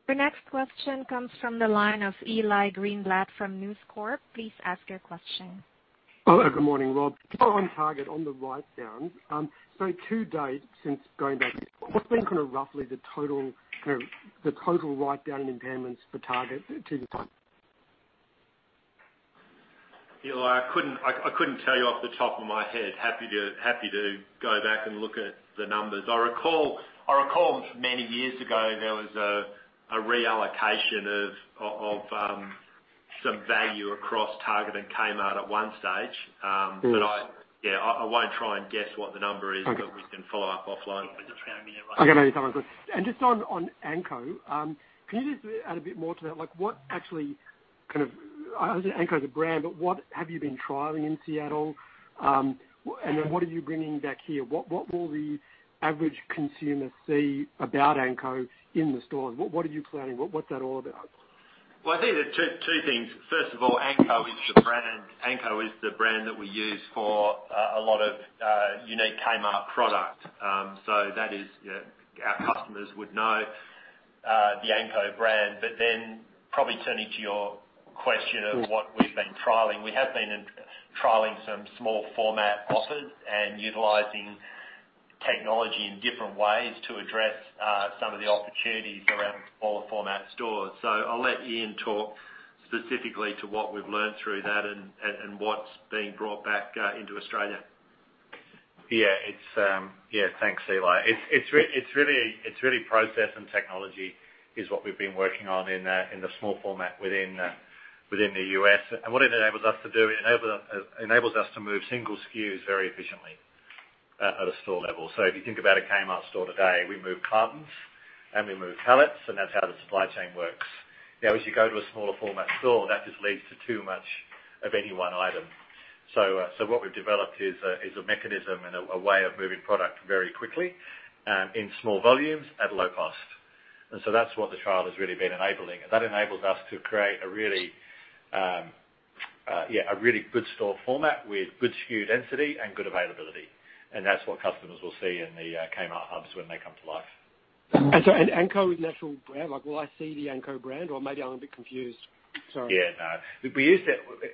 The next question comes from the line of Eli Greenblat from News Corp. Please ask your question. Hello. Good morning, Rob. On Target, on the write-downs. To date, since going back, what's been kind of roughly the total write-down impairments for Target to this time? I couldn't tell you off the top of my head. Happy to go back and look at the numbers. I recall many years ago there was a reallocation of some value across Target and Kmart at one stage. Yeah, I won't try and guess what the number is, but we can follow up offline. I'm going to be sorry. Just on Anko, can you just add a bit more to that? What actually kind of, I was going to say Anko as a brand, but what have you been trialing in Seattle? What are you bringing back here? What will the average consumer see about Anko in the stores? What are you planning? What's that all about? I think there are two things. First of all, Anko is the brand that we use for a lot of unique Kmart products. That is, our customers would know the Anko brand. Probably turning to your question of what we've been trialing, we have been trialing some small-format offers and utilizing technology in different ways to address some of the opportunities around smaller-format stores. I'll let Ian talk specifically to what we've learned through that and what's being brought back into Australia. Yeah. Yeah. Thanks, Eli. It's really process and technology is what we've been working on in the small-format within the U.S. What it enables us to do, it enables us to move single SKUs very efficiently at a store level. If you think about a Kmart store today, we move cartons and we move pallets, and that's how the supply chain works. Now, as you go to a smaller-format store, that just leads to too much of any one item. What we've developed is a mechanism and a way of moving product very quickly in small volumes at low cost. That's what the trial has really been enabling. That enables us to create a really good store format with good SKU density and good availability. That's what customers will see in the Kmart hubs when they come to life. Is Anko an actual brand? Will I see the Anko brand, or maybe I'm a bit confused? Sorry. Yeah. No.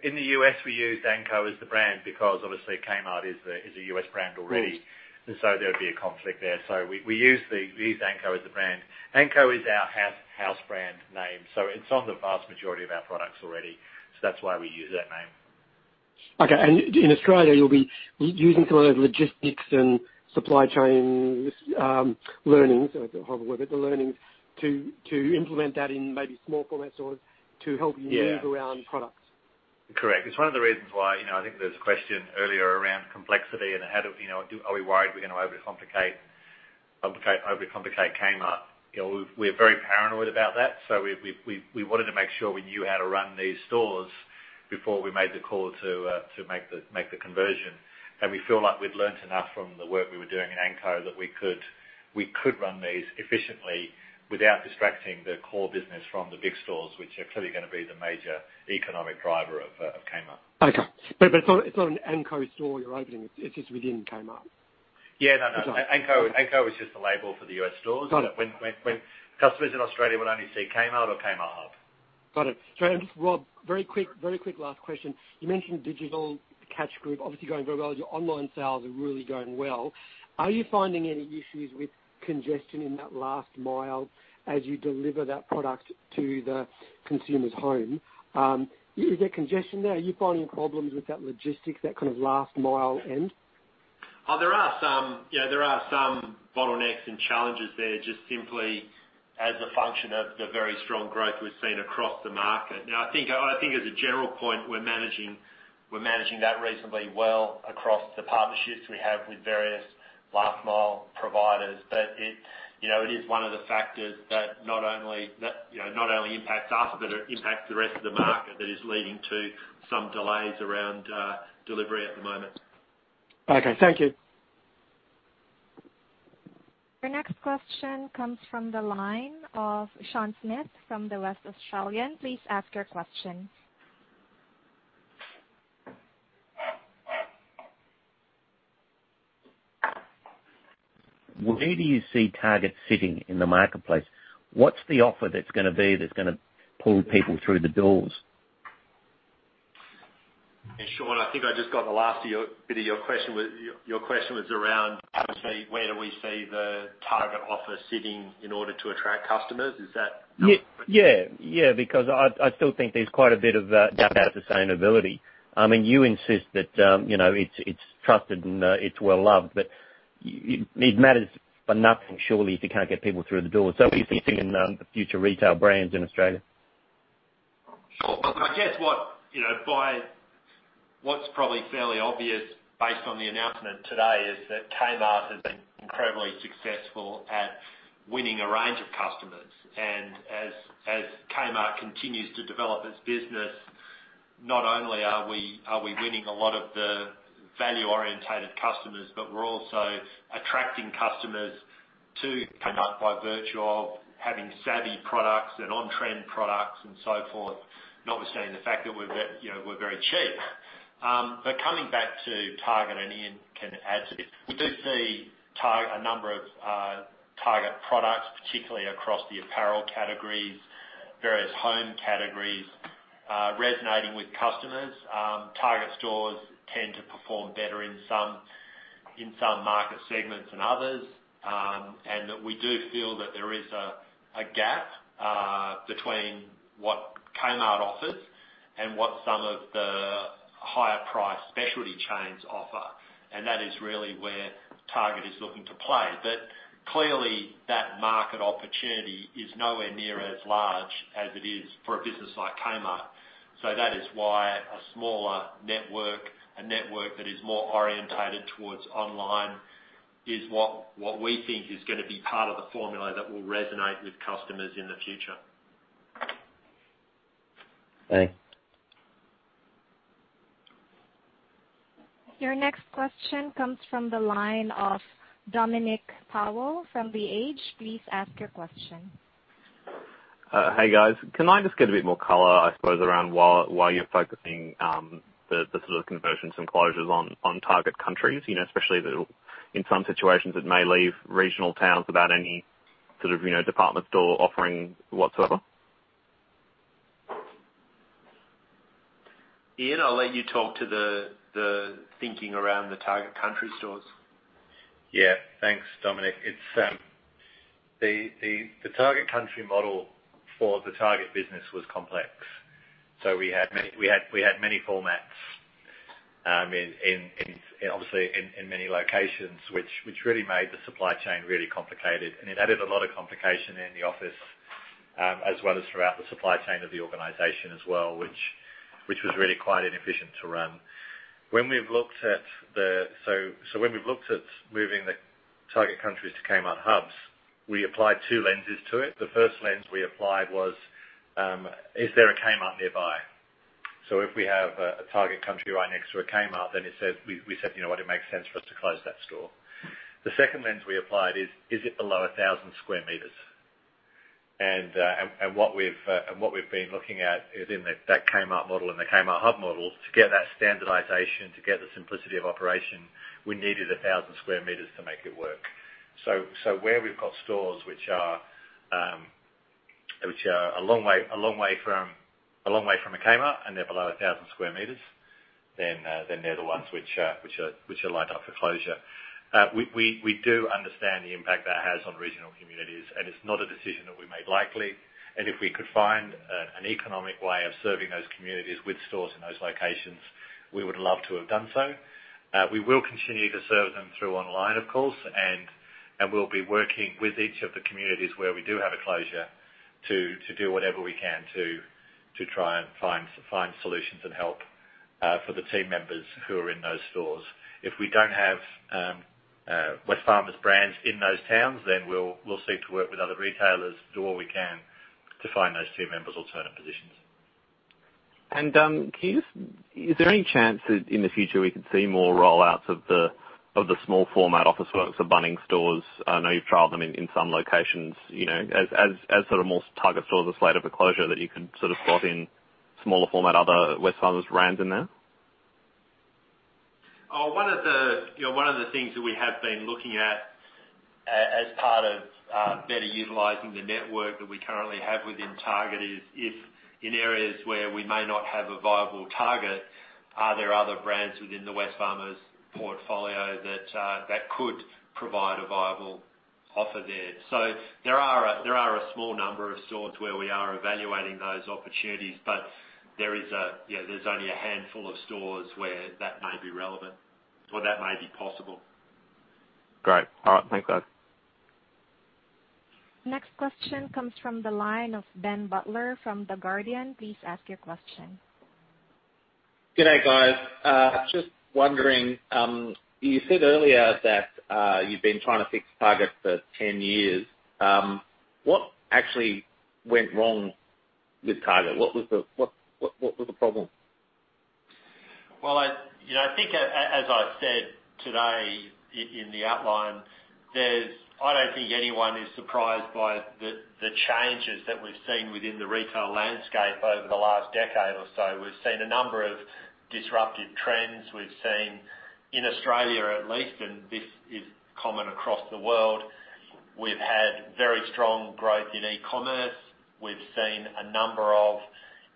In the U.S., we used Anko as the brand because obviously Kmart is a U.S. brand already. There would be a conflict there. We used Anko as the brand. Anko is our house brand name. It's on the vast majority of our products already. That's why we use that name. Okay. In Australia, you'll be using some of those logistics and supply chain learnings, so I'll have a word, but the learnings to implement that in maybe small-format stores to help you move around products? Correct. It's one of the reasons why I think there's a question earlier around complexity and how do we worry we're going to overcomplicate Kmart. We're very paranoid about that. We wanted to make sure we knew how to run these stores before we made the call to make the conversion. We feel like we've learned enough from the work we were doing in Anko that we could run these efficiently without distracting the core business from the big stores, which are clearly going to be the major economic driver of Kmart. Okay. It is not an Anko store you are opening. It is just within Kmart? Yeah. No, no. Anko was just a label for the U.S. stores. Customers in Australia will only see Kmart or Kmart hub. Got it. Sorry. Just, Rob, very quick last question. You mentioned Digital Catch Group, obviously going very well. Your online sales are really going well. Are you finding any issues with congestion in that last mile as you deliver that product to the consumer's home? Is there congestion there? Are you finding problems with that logistics, that kind of last mile end? There are some bottlenecks and challenges there just simply as a function of the very strong growth we have seen across the market. Now, I think as a general point, we are managing that reasonably well across the partnerships we have with various last-mile providers. It is one of the factors that not only impacts us, it impacts the rest of the market that is leading to some delays around delivery at the moment. Okay. Thank you. Your next question comes from the line of Sean Smith from The West Australian. Please ask your question. Where do you see Target sitting in the marketplace? What's the offer that's going to be that's going to pull people through the doors? Sean, I think I just got the last bit of your question. Your question was around, obviously, where do we see the Target offer sitting in order to attract customers? Is that? Yeah. Yeah. Because I still think there's quite a bit of data sustainability. I mean, you insist that it's trusted and it's well-loved, but it matters for nothing surely if you can't get people through the door. What do you see in the future retail brands in Australia? I guess what's probably fairly obvious based on the announcement today is that Kmart has been incredibly successful at winning a range of customers. As Kmart continues to develop its business, not only are we winning a lot of the value-orientated customers, but we're also attracting customers to Kmart by virtue of having savvy products and on-trend products and so forth. Notwithstanding the fact that we're very cheap. Coming back to Target, and Ian can add to this, we do see a number of Target products, particularly across the apparel categories, various home categories, resonating with customers. Target stores tend to perform better in some market segments than others. We do feel that there is a gap between what Kmart offers and what some of the higher-priced specialty chains offer. That is really where Target is looking to play. Clearly, that market opportunity is nowhere near as large as it is for a business like Kmart. That is why a smaller network, a network that is more orientated towards online, is what we think is going to be part of the formula that will resonate with customers in the future. Thanks. Your next question comes from the line of Dominic Powell from The Age. Please ask your question. Hey, guys. Can I just get a bit more color, I suppose, around why you're focusing the sort of conversions and closures on Target country, especially in some situations that may leave regional towns without any sort of department store offering whatsoever? Ian, I'll let you talk to the thinking around the Target country stores. Yeah. Thanks, Dominic. The Target Country model for the Target business was complex. We had many formats, obviously, in many locations, which really made the supply chain really complicated. It added a lot of complication in the office as well as throughout the supply chain of the organization as well, which was really quite inefficient to run. When we've looked at moving the Target Countries to Kmart hubs, we applied two lenses to it. The first lens we applied was, is there a Kmart nearby? If we have a Target Country right next to a Kmart, then we said, "You know what? It makes sense for us to close that store." The second lens we applied is, is it below 1,000 sq m? What we've been looking at is in that Kmart model and the Kmart hub model to get that standardization, to get the simplicity of operation, we needed 1,000 sq m to make it work. Where we've got stores which are a long way from a Kmart and they're below 1,000 sq m, they're the ones which are lined up for closure. We do understand the impact that has on regional communities, and it's not a decision that we made lightly. If we could find an economic way of serving those communities with stores in those locations, we would love to have done so. We will continue to serve them through online, of course, and we'll be working with each of the communities where we do have a closure to do whatever we can to try and find solutions and help for the team members who are in those stores. If we don't have Wesfarmers brands in those towns, then we'll seek to work with other retailers to do what we can to find those team members' alternate positions. Is there any chance that in the future we could see more rollouts of the small-format Officeworks or Bunnings stores? I know you've trialed them in some locations. As more Target stores are slated for closure, that you can sort of slot in smaller-format other Wesfarmers brands in there? One of the things that we have been looking at as part of better utilizing the network that we currently have within Target is if in areas where we may not have a viable Target, are there other brands within the Wesfarmers portfolio that could provide a viable offer there? There are a small number of stores where we are evaluating those opportunities, but there is a yeah, there's only a handful of stores where that may be relevant or that may be possible. Great. All right. Thanks, guys. Next question comes from the line of Ben Butler from The Guardian. Please ask your question. Good day, guys. Just wondering, you said earlier that you've been trying to fix Target for 10 years. What actually went wrong with Target? What was the problem? I think as I said today in the outline, I do not think anyone is surprised by the changes that we have seen within the retail landscape over the last decade or so. We have seen a number of disruptive trends. We have seen in Australia, at least, and this is common across the world, we have had very strong growth in e-commerce. We have seen a number of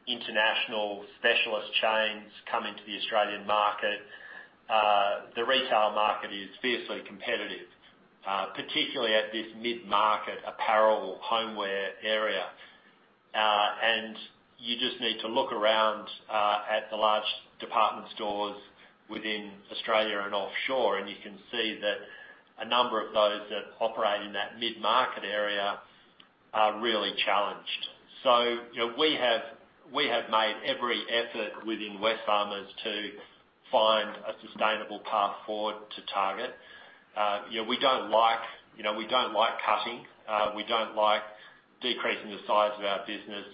international specialist chains come into the Australian market. The retail market is fiercely competitive, particularly at this mid-market apparel homeware area. You just need to look around at the large department stores within Australia and offshore, and you can see that a number of those that operate in that mid-market area are really challenged. We have made every effort within Wesfarmers to find a sustainable path forward to Target. We do not like cutting. We do not like decreasing the size of our business.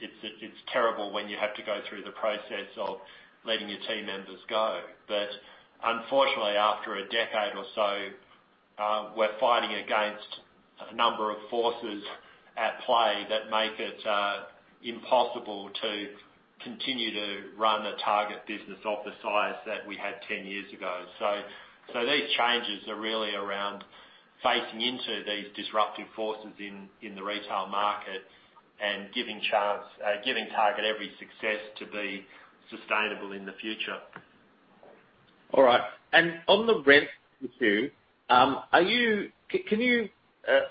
It's terrible when you have to go through the process of letting your team members go. Unfortunately, after a decade or so, we're fighting against a number of forces at play that make it impossible to continue to run a Target business of the size that we had 10 years ago. These changes are really around facing into these disruptive forces in the retail market and giving Target every success to be sustainable in the future. All right. On the rent issue,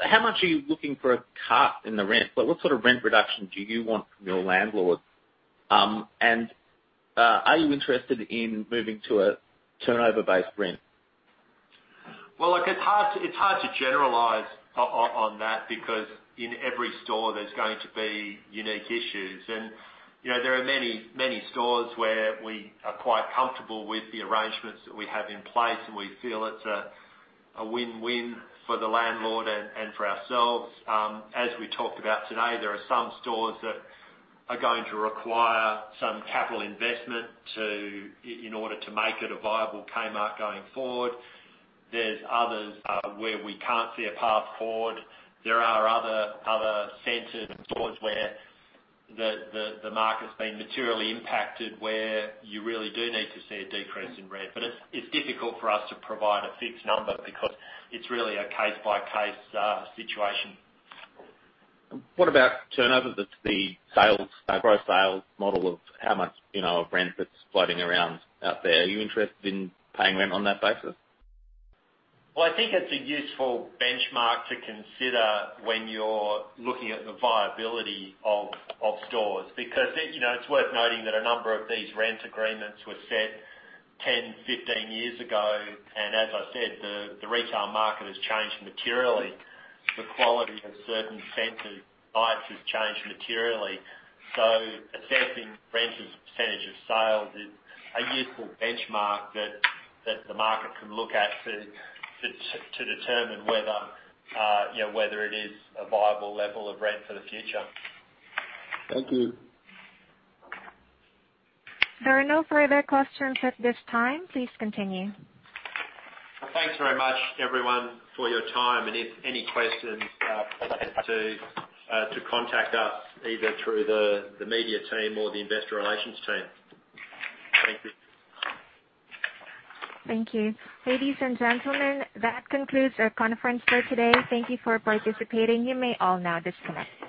how much are you looking for a cut in the rent? What sort of rent reduction do you want from your landlord? Are you interested in moving to a turnover-based rent? It's hard to generalize on that because in every store, there's going to be unique issues. There are many stores where we are quite comfortable with the arrangements that we have in place, and we feel it's a win-win for the landlord and for ourselves. As we talked about today, there are some stores that are going to require some capital investment in order to make it a viable Kmart going forward. There are others where we can't see a path forward. There are other centers and stores where the market's been materially impacted where you really do need to see a decrease in rent. It's difficult for us to provide a fixed number because it's really a case-by-case situation. What about turnover? The sales growth sales model of how much of rent that's floating around out there? Are you interested in paying rent on that basis? I think it's a useful benchmark to consider when you're looking at the viability of stores because it's worth noting that a number of these rent agreements were set 10, 15 years ago. As I said, the retail market has changed materially. The quality of certain centers and sites has changed materially. Assessing rent as a percentage of sales is a useful benchmark that the market can look at to determine whether it is a viable level of rent for the future. Thank you. There are no further questions at this time. Please continue. Thanks very much, everyone, for your time. If any questions, please contact us either through the media team or the investor relations team. Thank you. Thank you. Ladies and gentlemen, that concludes our conference for today. Thank you for participating. You may all now disconnect.